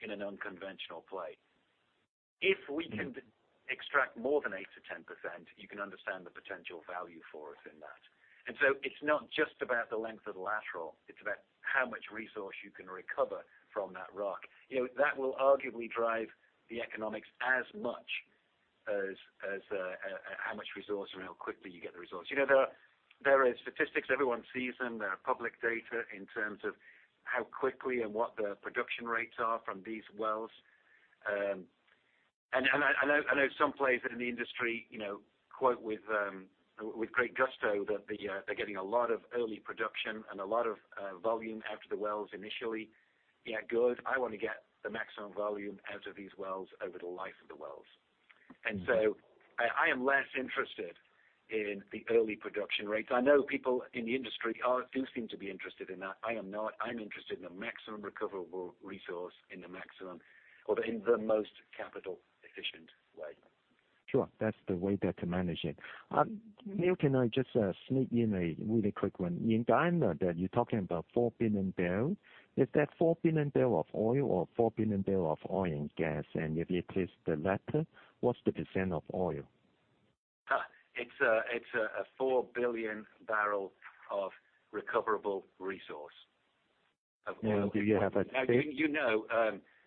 in an unconventional play. If we can extract more than 8%-10%, you can understand the potential value for us in that. It's not just about the length of the lateral, it's about how much resource you can recover from that rock. That will arguably drive the economics as much as how much resource or how quickly you get the resource. There are statistics. Everyone sees them. There are public data in terms of how quickly and what the production rates are from these wells. I know some places in the industry quote with great gusto that they're getting a lot of early production and a lot of volume out of the wells initially. Yeah, good. I want to get the maximum volume out of these wells over the life of the wells. I am less interested in the early production rates. I know people in the industry do seem to be interested in that. I am not. I'm interested in the maximum recoverable resource in the maximum or in the most capital efficient way. Sure. That's the way there to manage it. Neil, can I just sneak in a really quick one? In Guyana that you're talking about 4 billion barrels. Is that 4 billion barrel of oil or 4 billion barrel of oil and gas? If it is the latter, what's the percent of oil? It's a 4 billion barrel of recoverable resource of oil. Do you have? You know,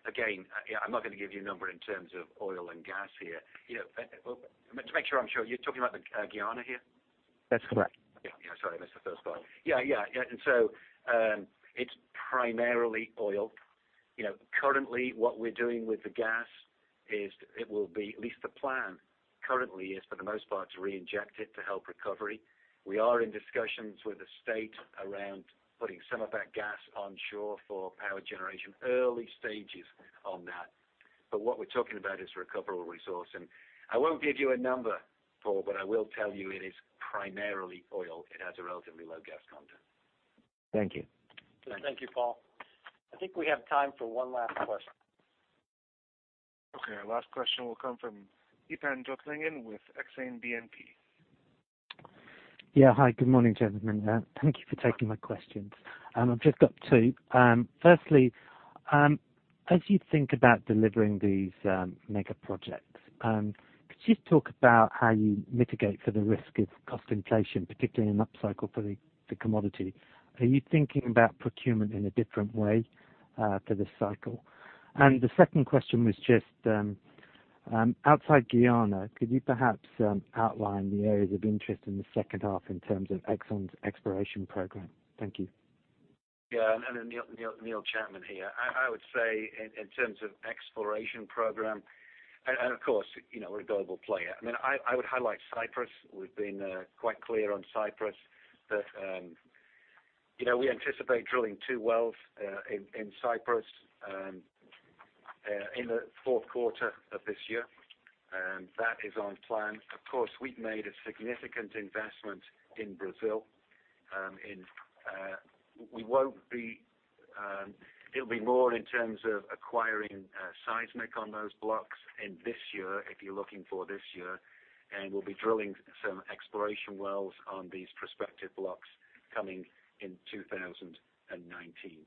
again, I'm not going to give you a number in terms of oil and gas here. To make sure I'm sure, you're talking about the Guyana here? That's correct. Okay. Yeah, sorry, I missed the first part. Yeah. It's primarily oil. Currently, what we're doing with the gas is it will be, at least the plan currently is, for the most part, to reinject it to help recovery. We are in discussions with the state around putting some of that gas onshore for power generation. Early stages on that. What we're talking about is recoverable resource. I won't give you a number, Paul, but I will tell you it is primarily oil. It has a relatively low gas content. Thank you. Thank you. Thank you, Paul. I think we have time for one last question. Okay, our last question will come from Theepan Jothilingam with Exane BNP. Yeah. Hi, good morning, gentlemen. Thank you for taking my questions. I've just got two. Firstly, as you think about delivering these mega projects, could you talk about how you mitigate for the risk of cost inflation, particularly in an upcycle for the commodity? Are you thinking about procurement in a different way for this cycle? The second question was just, outside Guyana, could you perhaps outline the areas of interest in the second half in terms of Exxon's exploration program? Thank you. Yeah. Neil Chapman here. I would say in terms of exploration program, of course, we're a global player. I would highlight Cyprus. We've been quite clear on Cyprus that we anticipate drilling two wells in Cyprus in the fourth quarter of this year. That is on plan. Of course, we've made a significant investment in Brazil. It'll be more in terms of acquiring seismic on those blocks in this year, if you're looking for this year, we'll be drilling some exploration wells on these prospective blocks coming in 2019.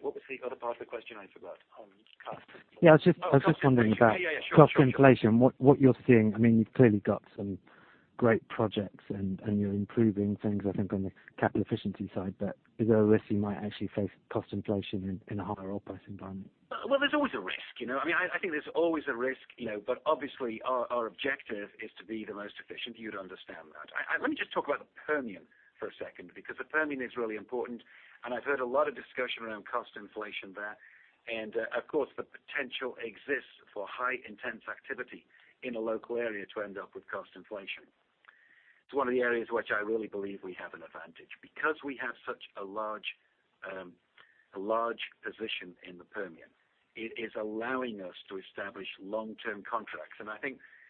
What was the other part of the question? I forgot. On cost. Yeah, I was just wondering. Oh, cost inflation. cost inflation. Yeah, sure. What you're seeing. You've clearly got some great projects, and you're improving things, I think, on the capital efficiency side, but is there a risk you might actually face cost inflation in a higher oil price environment? Well, there's always a risk. I think there's always a risk, our objective is to be the most efficient. You'd understand that. Let me just talk about the Permian for a second, because the Permian is really important, I've heard a lot of discussion around cost inflation there. Of course, the potential exists for high intense activity in a local area to end up with cost inflation. It's one of the areas which I really believe we have an advantage. Because we have such a large position in the Permian, it is allowing us to establish long-term contracts. I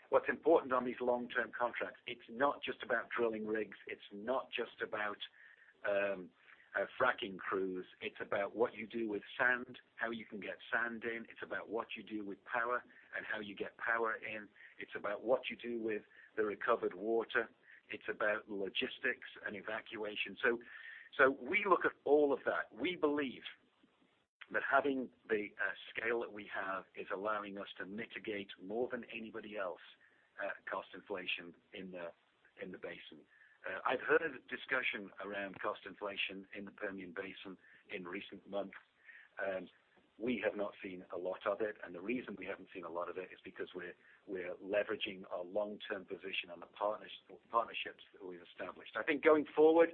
think what's important on these long-term contracts, it's not just about drilling rigs. It's not just about fracking crews. It's about what you do with sand, how you can get sand in. It's about what you do with power and how you get power in. It's about what you do with the recovered water. It's about logistics and evacuation. We look at all of that. We believe that having the scale that we have is allowing us to mitigate more than anybody else cost inflation in the basin. I've heard a discussion around cost inflation in the Permian Basin in recent months. We have not seen a lot of it, the reason we haven't seen a lot of it is because we're leveraging our long-term position on the partnerships that we've established. I think going forward,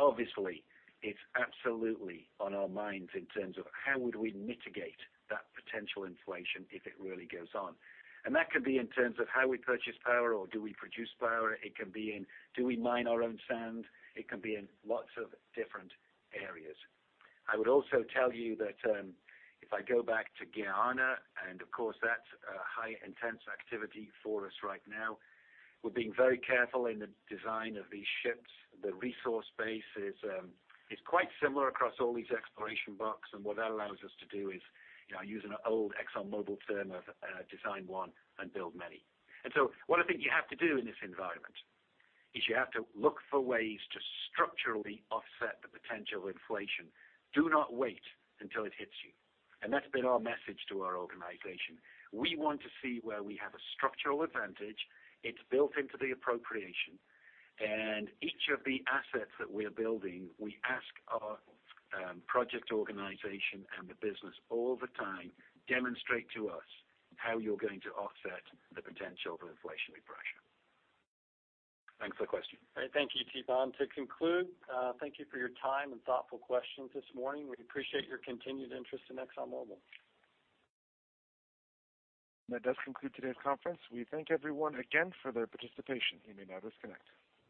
obviously, it's absolutely on our minds in terms of how would we mitigate that potential inflation if it really goes on. That could be in terms of how we purchase power or do we produce power. It can be in, do we mine our own sand? It can be in lots of different areas. I would also tell you that if I go back to Guyana, of course, that's a high intense activity for us right now. We're being very careful in the design of these ships. The resource base is quite similar across all these exploration blocks. What that allows us to do is use an old ExxonMobil term of design one and build many. What I think you have to do in this environment is you have to look for ways to structurally offset the potential inflation. Do not wait until it hits you. That's been our message to our organization. We want to see where we have a structural advantage. It's built into the appropriation. Each of the assets that we're building, we ask our project organization and the business all the time, demonstrate to us how you're going to offset the potential of inflationary pressure. Thanks for the question. All right. Thank you, Theepan. To conclude, thank you for your time and thoughtful questions this morning. We appreciate your continued interest in ExxonMobil. That does conclude today's conference. We thank everyone again for their participation. You may now disconnect.